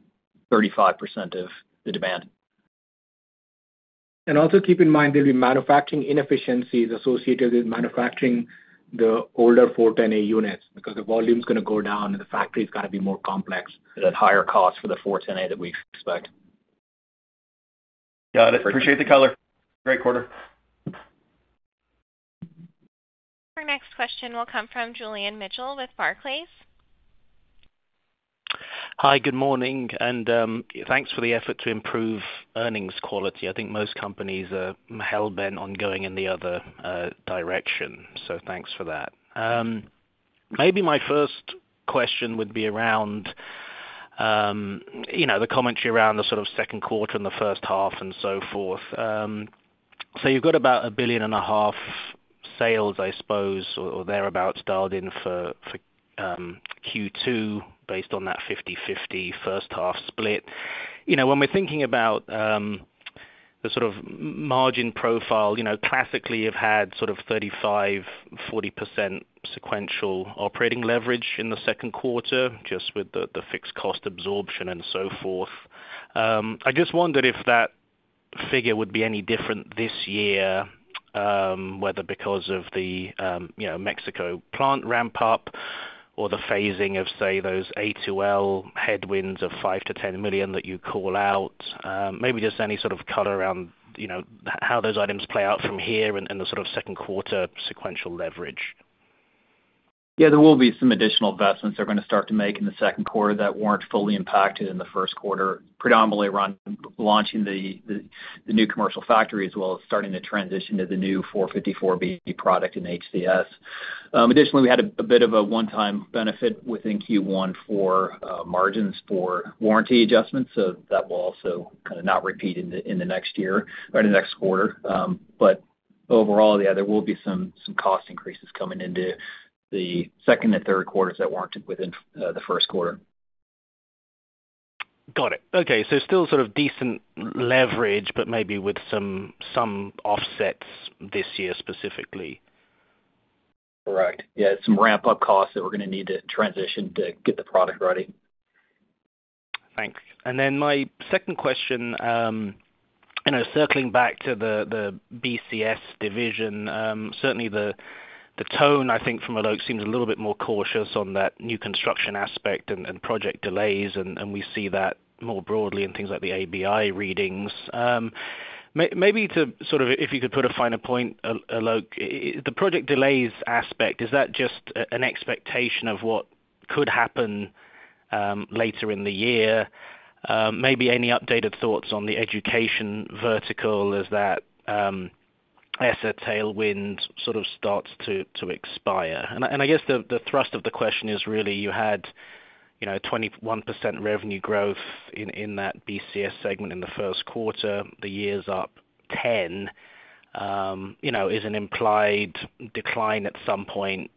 35% of the demand. And also keep in mind there'll be manufacturing inefficiencies associated with manufacturing the older R-410A units because the volume's going to go down, and the factory's going to be more complex. That higher cost for the R-410A that we expect. Got it. Appreciate the color. Great quarter. Our next question will come from Julian Mitchell with Barclays. Hi. Good morning. Thanks for the effort to improve earnings quality. I think most companies are hell-bent on going in the other direction, so thanks for that. Maybe my first question would be around the commentary around the sort of second quarter and the first half and so forth. You've got about $1.5 billion sales, I suppose, or thereabouts starting for Q2 based on that 50/50 first-half split. When we're thinking about the sort of margin profile, classically, you've had sort of 35%-40% sequential operating leverage in the second quarter just with the fixed cost absorption and so forth. I just wondered if that figure would be any different this year, whether because of the Mexico plant ramp-up or the phasing of, say, those A2L headwinds of $5 million-$10 million that you call out, maybe just any sort of color around how those items play out from here and the sort of second-quarter sequential leverage? Yeah. There will be some additional investments they're going to start to make in the second quarter that weren't fully impacted in the first quarter, predominantly launching the new commercial factory as well as starting the transition to the new R-454B product in HCS. Additionally, we had a bit of a one-time benefit within Q1 for margins for warranty adjustments. So that will also kind of not repeat in the next year or in the next quarter. But overall, yeah, there will be some cost increases coming into the second and third quarters that weren't within the first quarter. Got it. Okay. So still sort of decent leverage, but maybe with some offsets this year specifically. Correct. Yeah. Some ramp-up costs that we're going to need to transition to get the product ready. Thanks. Then my second question, and circling back to the BCS division, certainly the tone, I think, from Alok seems a little bit more cautious on that new construction aspect and project delays. And we see that more broadly in things like the ABI readings. Maybe to sort of if you could put a finer point, Alok, the project delays aspect, is that just an expectation of what could happen later in the year? Maybe any updated thoughts on the education vertical as that ESSER tailwind sort of starts to expire? And I guess the thrust of the question is really you had 21% revenue growth in that BCS segment in the first quarter. The year's up 10%. Is an implied decline at some point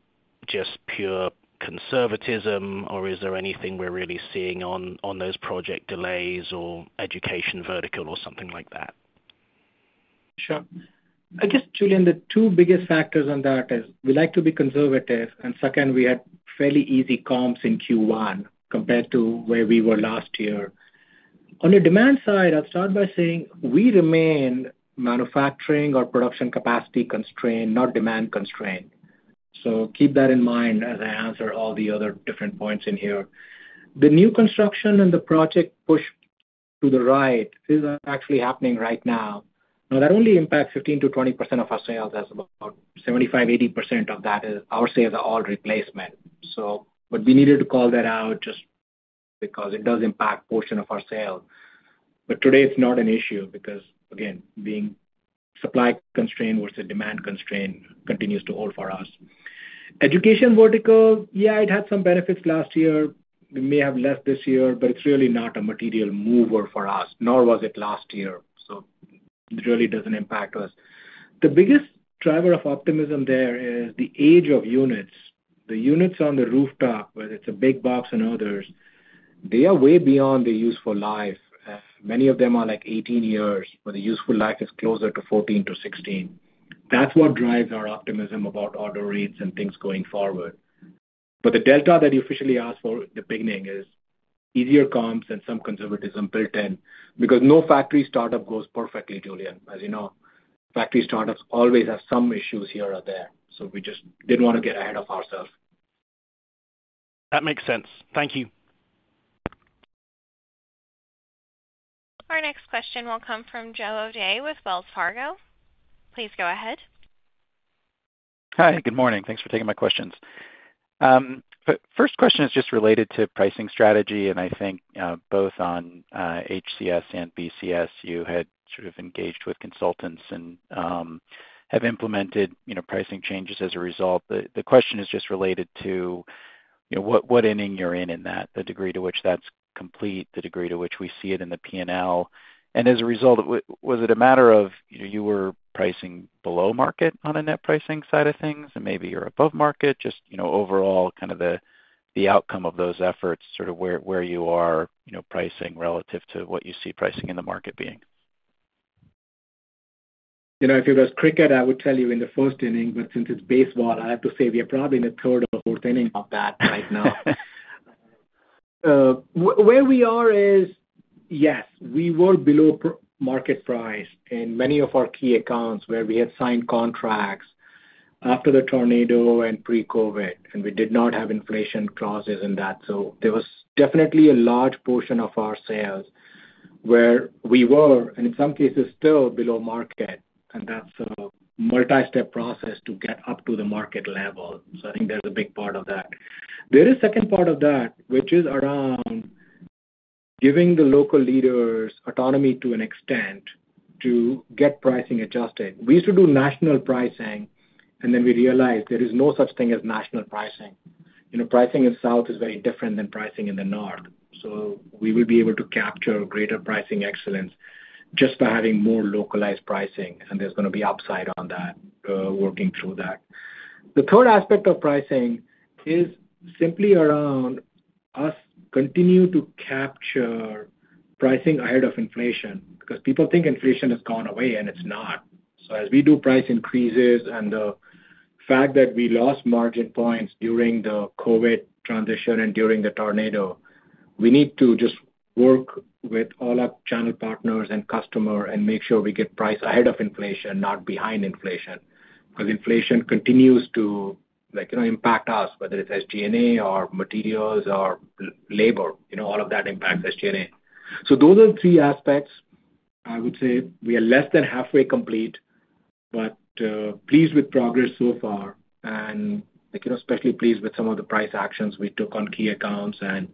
just pure conservatism, or is there anything we're really seeing on those project delays or education vertical or something like that? Sure. I guess, Julian, the two biggest factors on that is we like to be conservative. And second, we had fairly easy comps in Q1 compared to where we were last year. On the demand side, I'll start by saying we remain manufacturing or production capacity constrained, not demand constrained. So keep that in mind as I answer all the other different points in here. The new construction and the project push to the right is actually happening right now. Now, that only impacts 15%-20% of our sales. About 75%-80% of that is our sales are all replacement. But we needed to call that out just because it does impact a portion of our sale. But today, it's not an issue because, again, being supply constrained versus demand constrained continues to hold for us. Education vertical, yeah, it had some benefits last year. We may have less this year, but it's really not a material mover for us, nor was it last year. So it really doesn't impact us. The biggest driver of optimism there is the age of units. The units on the rooftop, whether it's a big box and others, they are way beyond their useful life. Many of them are like 18 years, but the useful life is closer to 14-16. That's what drives our optimism about order rates and things going forward. But the delta that you officially asked for at the beginning is easier comps and some conservatism built in because no factory startup goes perfectly, Julian. As you know, factory startups always have some issues here or there. So we just didn't want to get ahead of ourselves. That makes sense. Thank you. Our next question will come from Joe O'Dea with Wells Fargo. Please go ahead. Hi. Good morning. Thanks for taking my questions. First question is just related to pricing strategy. And I think both on HCS and BCS, you had sort of engaged with consultants and have implemented pricing changes as a result. The question is just related to what inning you're in in that, the degree to which that's complete, the degree to which we see it in the P&L. And as a result, was it a matter of you were pricing below market on a net pricing side of things, and maybe you're above market? Just overall, kind of the outcome of those efforts, sort of where you are pricing relative to what you see pricing in the market being. If it was cricket, I would tell you in the first inning. But since it's baseball, I have to say we are probably in the third or fourth inning of that right now. Where we are is, yes, we were below market price in many of our key accounts where we had signed contracts after the tornado and pre-COVID. And we did not have inflation clauses in that. So there was definitely a large portion of our sales where we were, and in some cases, still below market. And that's a multi-step process to get up to the market level. So I think there's a big part of that. There is a second part of that, which is around giving the local leaders autonomy to an extent to get pricing adjusted. We used to do national pricing, and then we realized there is no such thing as national pricing. Pricing in the south is very different than pricing in the north. We will be able to capture greater pricing excellence just by having more localized pricing. There's going to be upside on that, working through that. The third aspect of pricing is simply around us continuing to capture pricing ahead of inflation because people think inflation has gone away, and it's not. As we do price increases and the fact that we lost margin points during the COVID transition and during the tornado, we need to just work with all our channel partners and customers and make sure we get price ahead of inflation, not behind inflation because inflation continues to impact us, whether it's SG&A or materials or labor. All of that impacts SG&A. Those are the three aspects. I would say we are less than halfway complete, but pleased with progress so far and especially pleased with some of the price actions we took on key accounts and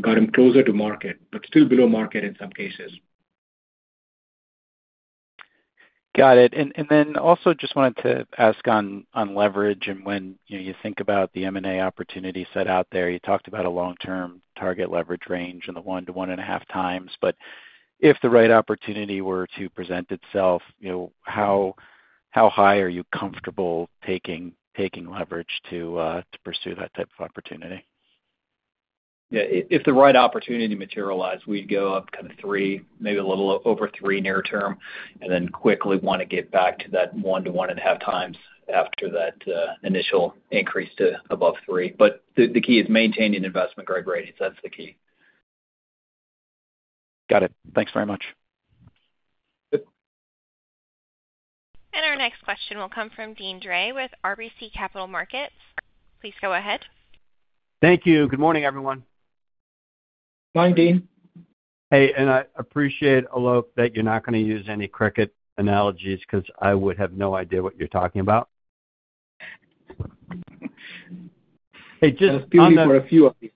got them closer to market but still below market in some cases. Got it. And then also just wanted to ask on leverage and when you think about the M&A opportunity set out there, you talked about a long-term target leverage range and the 1-1.5x. But if the right opportunity were to present itself, how high are you comfortable taking leverage to pursue that type of opportunity? Yeah. If the right opportunity materialized, we'd go up kind of three, maybe a little over three near term, and then quickly want to get back to that 1-1.5x after that initial increase to above three. But the key is maintaining investment-grade ratings. That's the key. Got it. Thanks very much. Our next question will come from Deane Dray with RBC Capital Markets. Please go ahead. Thank you. Good morning, everyone. Fine. Deane. Hey. I appreciate, Alok, that you're not going to use any cricket analogies because I would have no idea what you're talking about. Hey, just that's beautiful for a few of these.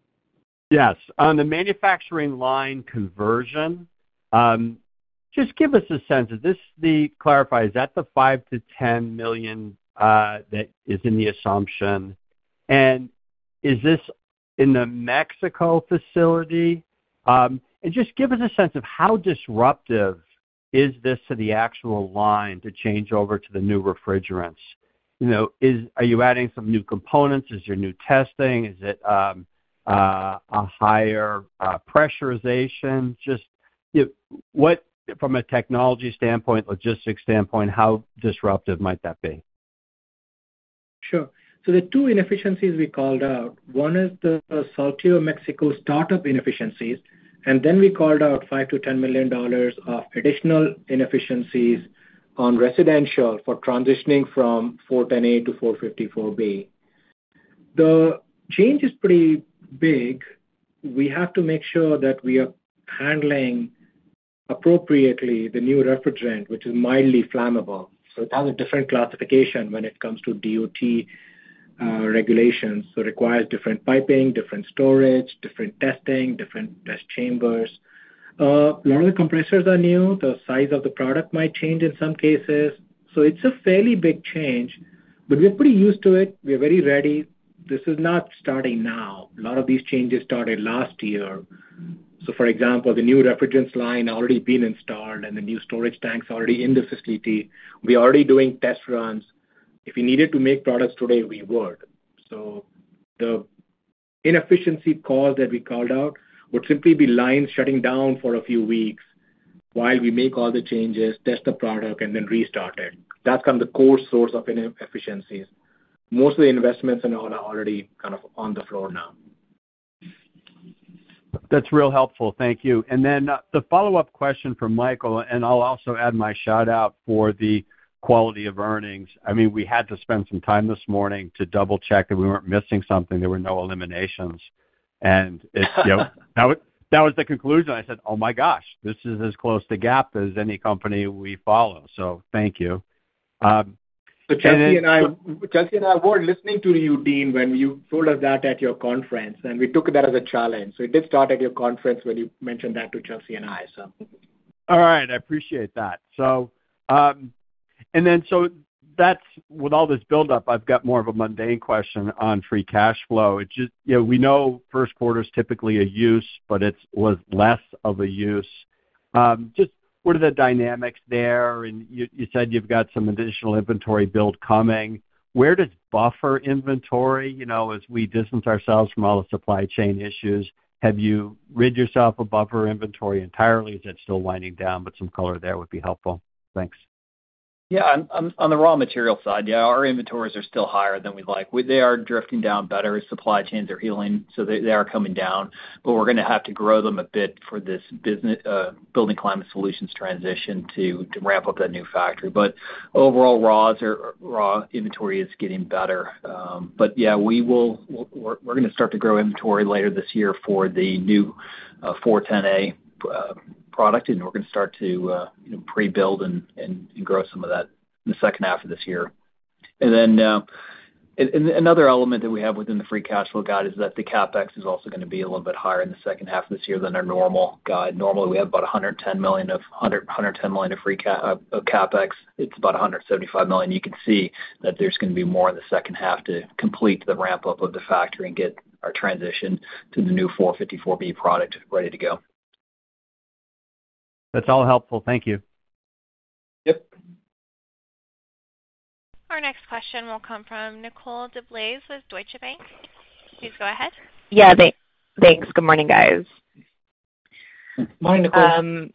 Yes. On the manufacturing line conversion, just give us a sense. Is this to clarify, is that the $5 million-$10 million that is in the assumption? And is this in the Mexico facility? And just give us a sense of how disruptive is this to the actual line to change over to the new refrigerants? Are you adding some new components? Is there new testing? Is it a higher pressurization? Just from a technology standpoint, logistics standpoint, how disruptive might that be? Sure. So the two inefficiencies we called out, one is the Saltillo, Mexico startup inefficiencies, and then we called out $5 million-$10 million of additional inefficiencies on residential for transitioning from R-410A to R-454B. The change is pretty big. We have to make sure that we are handling appropriately the new refrigerant, which is mildly flammable. So it has a different classification when it comes to DOT regulations. So it requires different piping, different storage, different testing, different test chambers. A lot of the compressors are new. The size of the product might change in some cases. So it's a fairly big change, but we are pretty used to it. We are very ready. This is not starting now. A lot of these changes started last year. So, for example, the new refrigerant line already been installed, and the new storage tanks already in the facility. We are already doing test runs. If we needed to make products today, we would. So the inefficiency cause that we called out would simply be lines shutting down for a few weeks while we make all the changes, test the product, and then restart it. That's kind of the core source of inefficiencies. Most of the investments and all are already kind of on the floor now. That's real helpful. Thank you. And then the follow-up question from Michael, and I'll also add my shout-out for the quality of earnings. I mean, we had to spend some time this morning to double-check that we weren't missing something. There were no eliminations. And that was the conclusion. I said, "Oh my gosh, this is as close to GAAP as any company we follow." So thank you. So Chelsey and I were listening to you, Deane, when you told us that at your conference, and we took that as a challenge. So it did start at your conference when you mentioned that to Chelsey and I, so. All right. I appreciate that. And then so with all this buildup, I've got more of a mundane question on free cash flow. We know first quarter's typically a use, but it was less of a use. Just what are the dynamics there? And you said you've got some additional inventory build coming. Where does buffer inventory as we distance ourselves from all the supply chain issues? Have you rid yourself of buffer inventory entirely? Is that still winding down, but some color there would be helpful? Thanks. Yeah. On the raw material side, yeah, our inventories are still higher than we'd like. They are drifting down better as supply chains are healing. So they are coming down. But we're going to have to grow them a bit for this Building Climate Solutions transition to ramp up that new factory. But overall, raw inventory is getting better. But yeah, we're going to start to grow inventory later this year for the new R-410A product, and we're going to start to pre-build and grow some of that in the second half of this year. And then another element that we have within the free cash flow guide is that the CapEx is also going to be a little bit higher in the second half of this year than our normal guide. Normally, we have about $110 million of $110 million of CapEx. It's about $175 million. You can see that there's going to be more in the second half to complete the ramp-up of the factory and get our transition to the new R-454B ready to go. That's all helpful. Thank you. Yep. Our next question will come from Nicole DeBlase with Deutsche Bank. Please go ahead. Yeah. Thanks. Good morning, guys. Morning, Nicole.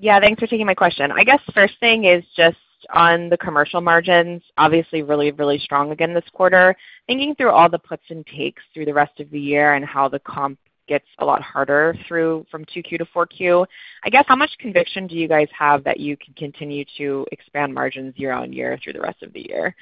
Yeah. Thanks for taking my question. I guess first thing is just on the commercial margins, obviously really, really strong again this quarter. Thinking through all the puts and takes through the rest of the year and how the comp gets a lot harder from 2Q to 4Q, I guess how much conviction do you guys have that you can continue to expand margins year on year through the rest of the year?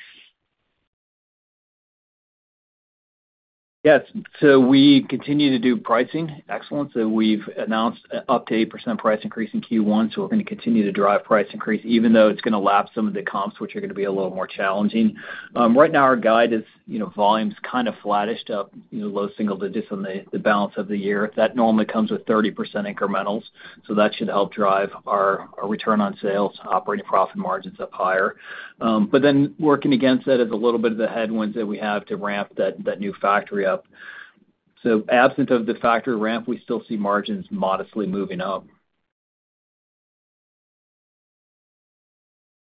Yes. So we continue to do pricing excellence. So we've announced an up to 8% price increase in Q1. So we're going to continue to drive price increase even though it's going to lapse some of the comps, which are going to be a little more challenging. Right now, our guide is volumes kind of flattished up, low single digits on the balance of the year. That normally comes with 30% incrementals. So that should help drive our return on sales, operating profit margins up higher. But then working against that is a little bit of the headwinds that we have to ramp that new factory up. So absent of the factory ramp, we still see margins modestly moving up.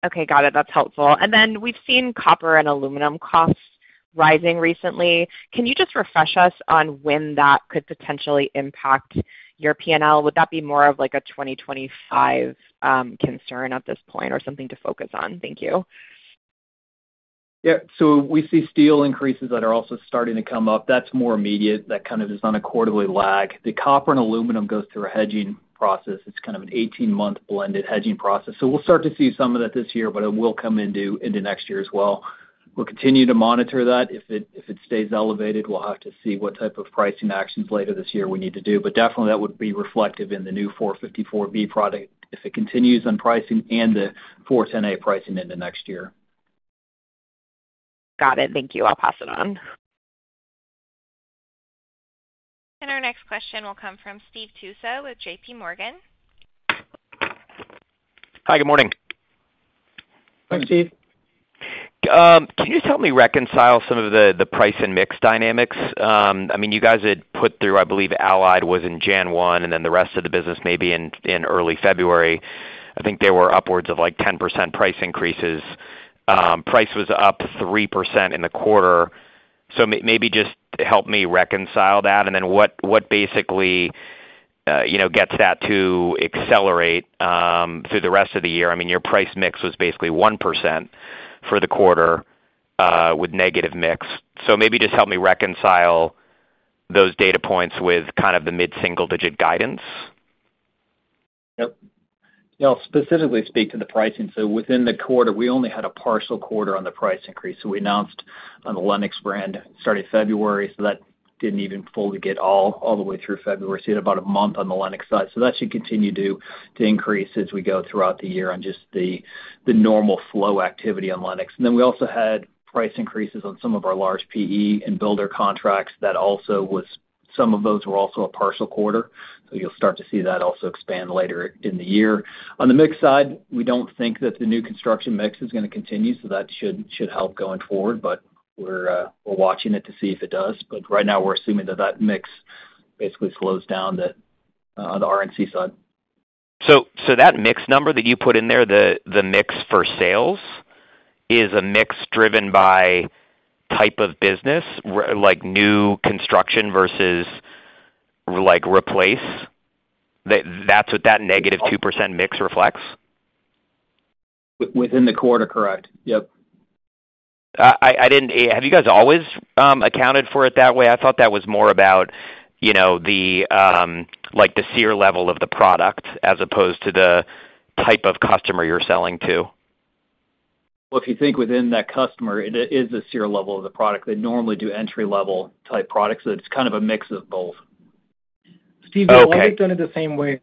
Okay. Got it. That's helpful. And then we've seen copper and aluminum costs rising recently. Can you just refresh us on when that could potentially impact your P&L? Would that be more of a 2025 concern at this point or something to focus on? Thank you. Yeah. So we see steel increases that are also starting to come up. That's more immediate. That kind of is on a quarterly lag. The copper and aluminum goes through a hedging process. It's kind of an 18-month blended hedging process. So we'll start to see some of that this year, but it will come into next year as well. We'll continue to monitor that. If it stays elevated, we'll have to see what type of pricing actions later this year we need to do. But definitely, that would be reflective in the new R-454B product if it continues on pricing and the R-410A pricing into next year. Got it. Thank you. I'll pass it on. Our next question will come from Steve Tusa with JPMorgan. Hi. Good morning. Hi, Steve. Can you just help me reconcile some of the price and mix dynamics? I mean, you guys had put through, I believe, Allied was in January 1, and then the rest of the business maybe in early February. I think there were upwards of 10% price increases. Price was up 3% in the quarter. So maybe just help me reconcile that. And then what basically gets that to accelerate through the rest of the year? I mean, your price mix was basically 1% for the quarter with negative mix. So maybe just help me reconcile those data points with kind of the mid-single-digit guidance. Yep. Yeah. I'll specifically speak to the pricing. So within the quarter, we only had a partial quarter on the price increase. So we announced on the Lennox brand starting February. So that didn't even fully get all the way through February. So you had about a month on the Lennox side. So that should continue to increase as we go throughout the year on just the normal flow activity on Lennox. And then we also had price increases on some of our large PE and builder contracts. Some of those were also a partial quarter. So you'll start to see that also expand later in the year. On the mix side, we don't think that the new construction mix is going to continue. So that should help going forward, but we're watching it to see if it does. But right now, we're assuming that that mix basically slows down on the RNC side. So that mix number that you put in there, the mix for sales, is a mix driven by type of business, like new construction versus replace? That's what that -2% mix reflects? Within the quarter, correct. Yep. Have you guys always accounted for it that way? I thought that was more about the SEER level of the product as opposed to the type of customer you're selling to. Well, if you think within that customer, it is the SEER level of the product. They normally do entry-level type products. So it's kind of a mix of both. Steve, we've always done it the same way.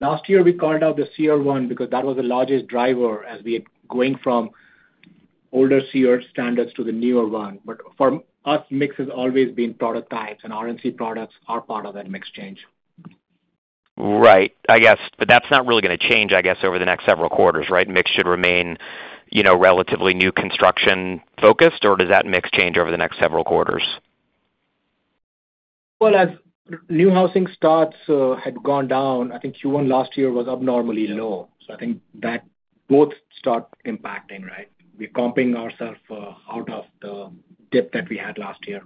Last year, we called out the SEER one because that was the largest driver as we were going from older SEER standards to the newer one. But for us, mix has always been product types, and RNC products are part of that mix change. Right. I guess. But that's not really going to change, I guess, over the next several quarters, right? Mix should remain relatively new construction-focused, or does that mix change over the next several quarters? Well, as new housing starts had gone down, I think Q1 last year was abnormally low. So I think that both start impacting, right? We're comping ourselves out of the dip that we had last year.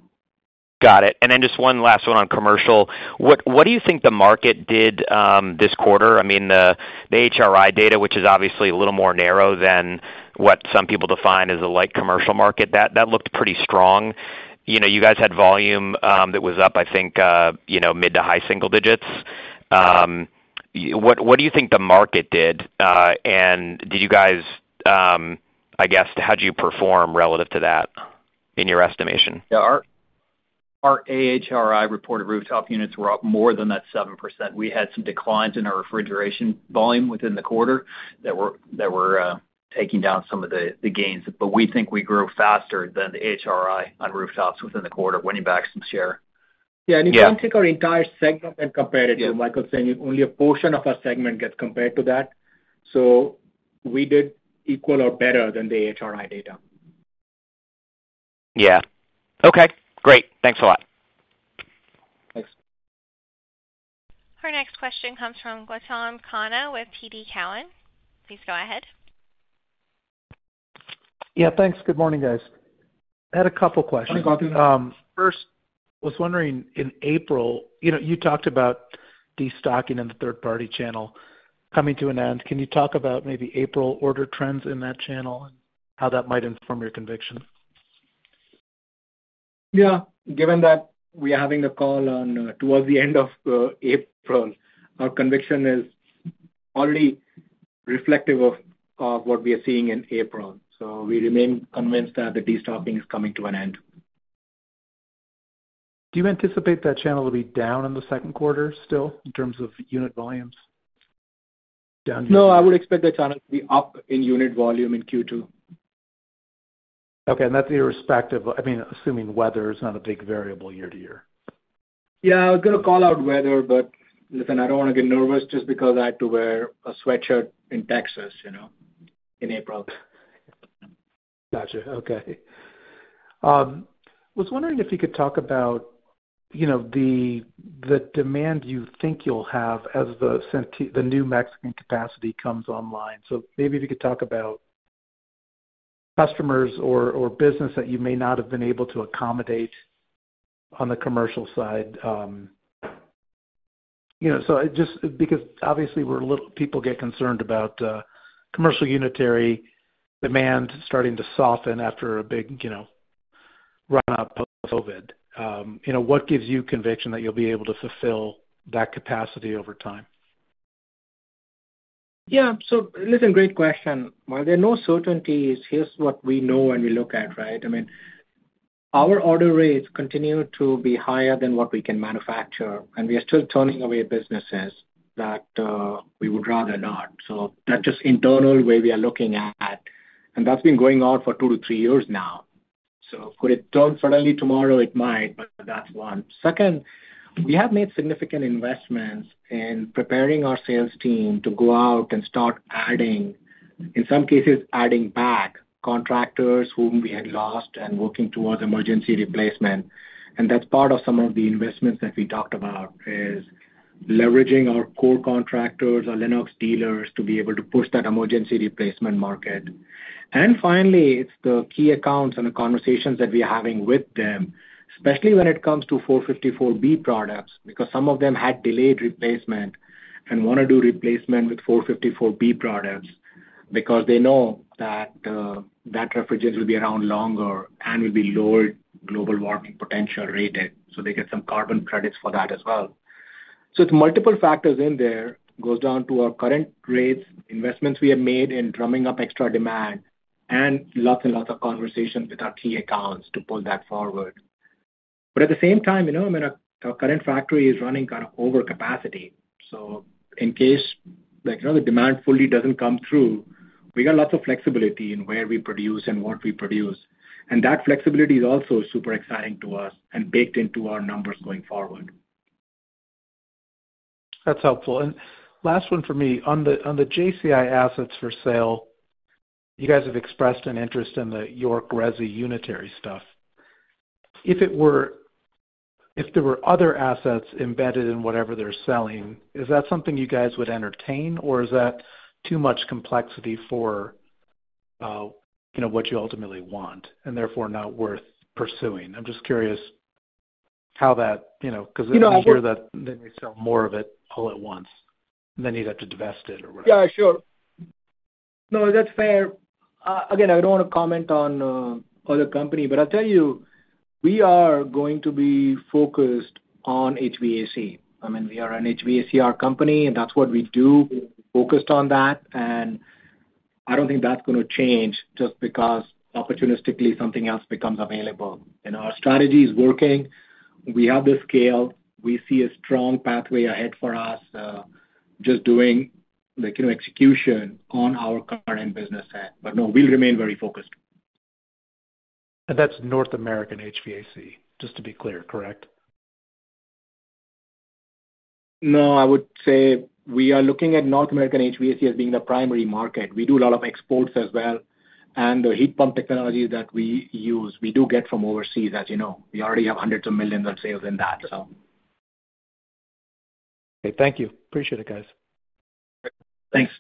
Got it. And then just one last one on commercial. What do you think the market did this quarter? I mean, the AHRI data, which is obviously a little more narrow than what some people define as a light commercial market, that looked pretty strong. You guys had volume that was up, I think, mid- to high-single digits. What do you think the market did? And did you guys, I guess, how did you perform relative to that in your estimation? Yeah. Our AHRI reported rooftop units were up more than that 7%. We had some declines in our refrigeration volume within the quarter that were taking down some of the gains. But we think we grew faster than the AHRI on rooftops within the quarter, winning back some share. Yeah. And you can't take our entire segment and compare it to. Michael's saying only a portion of our segment gets compared to that. So we did equal or better than the AHRI data. Yeah. Okay. Great. Thanks a lot. Thanks. Our next question comes from Gautam Khanna with TD Cowen. Please go ahead. Yeah. Thanks. Good morning, guys. I had a couple of questions. First, I was wondering, in April, you talked about destocking in the third-party channel coming to an end. Can you talk about maybe April order trends in that channel and how that might inform your conviction? Yeah. Given that we are having the call toward the end of April, our conviction is already reflective of what we are seeing in April. We remain convinced that the destocking is coming to an end. Do you anticipate that channel to be down in the second quarter still in terms of unit volumes? Down year-end? No. I would expect that channel to be up in unit volume in Q2. Okay. That's irrespective of, I mean, assuming weather is not a big variable year to year. Yeah. I was going to call out weather, but listen, I don't want to get nervous just because I had to wear a sweatshirt in Texas in April. Gotcha. Okay. I was wondering if you could talk about the demand you think you'll have as the new Mexican capacity comes online. So maybe if you could talk about customers or business that you may not have been able to accommodate on the commercial side. So just because obviously, people get concerned about commercial unitary demand starting to soften after a big run-up post-COVID. What gives you conviction that you'll be able to fulfill that capacity over time? Yeah. So listen, great question. While there are no certainties, here's what we know and we look at, right? I mean, our order rates continue to be higher than what we can manufacture, and we are still turning away businesses that we would rather not. So that's just internal way we are looking at, and that's been going on for two to three years now. So could it turn suddenly tomorrow? It might, but that's one. Second, we have made significant investments in preparing our sales team to go out and start adding, in some cases, adding back contractors whom we had lost and working towards emergency replacement. And that's part of some of the investments that we talked about is leveraging our core contractors, our Lennox dealers, to be able to push that emergency replacement market. Finally, it's the key accounts and the conversations that we are having with them, especially when it comes to R-454B products because some of them had delayed replacement and want to do replacement with R-454B products because they know that that refrigerant will be around longer and will be lowered global warming potential rated. So they get some carbon credits for that as well. So it's multiple factors in there. It goes down to our current rates, investments we have made in drumming up extra demand, and lots and lots of conversations with our key accounts to pull that forward. But at the same time, I mean, our current factory is running kind of over capacity. So in case the demand fully doesn't come through, we got lots of flexibility in where we produce and what we produce. That flexibility is also super exciting to us and baked into our numbers going forward. That's helpful. Last one for me. On the JCI assets for sale, you guys have expressed an interest in the York resi unitary stuff. If there were other assets embedded in whatever they're selling, is that something you guys would entertain, or is that too much complexity for what you ultimately want and therefore not worth pursuing? I'm just curious how that because then I hear that they may sell more of it all at once, and then you'd have to divest it or whatever. Yeah. Sure. No, that's fair. Again, I don't want to comment on other company, but I'll tell you, we are going to be focused on HVAC. I mean, we are an HVACR company, and that's what we do, focused on that. And I don't think that's going to change just because opportunistically, something else becomes available. Our strategy is working. We have the scale. We see a strong pathway ahead for us just doing execution on our current business head. But no, we'll remain very focused. That's North American HVAC, just to be clear, correct? No. I would say we are looking at North American HVAC as being the primary market. We do a lot of exports as well. The heat pump technologies that we use, we do get from overseas, as you know. We already have hundreds of millions in sales in that, so. Okay. Thank you. Appreciate it, guys. Thanks.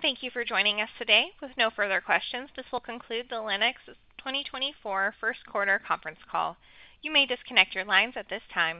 Thank you for joining us today. With no further questions, this will conclude the Lennox 2024 first quarter conference call. You may disconnect your lines at this time.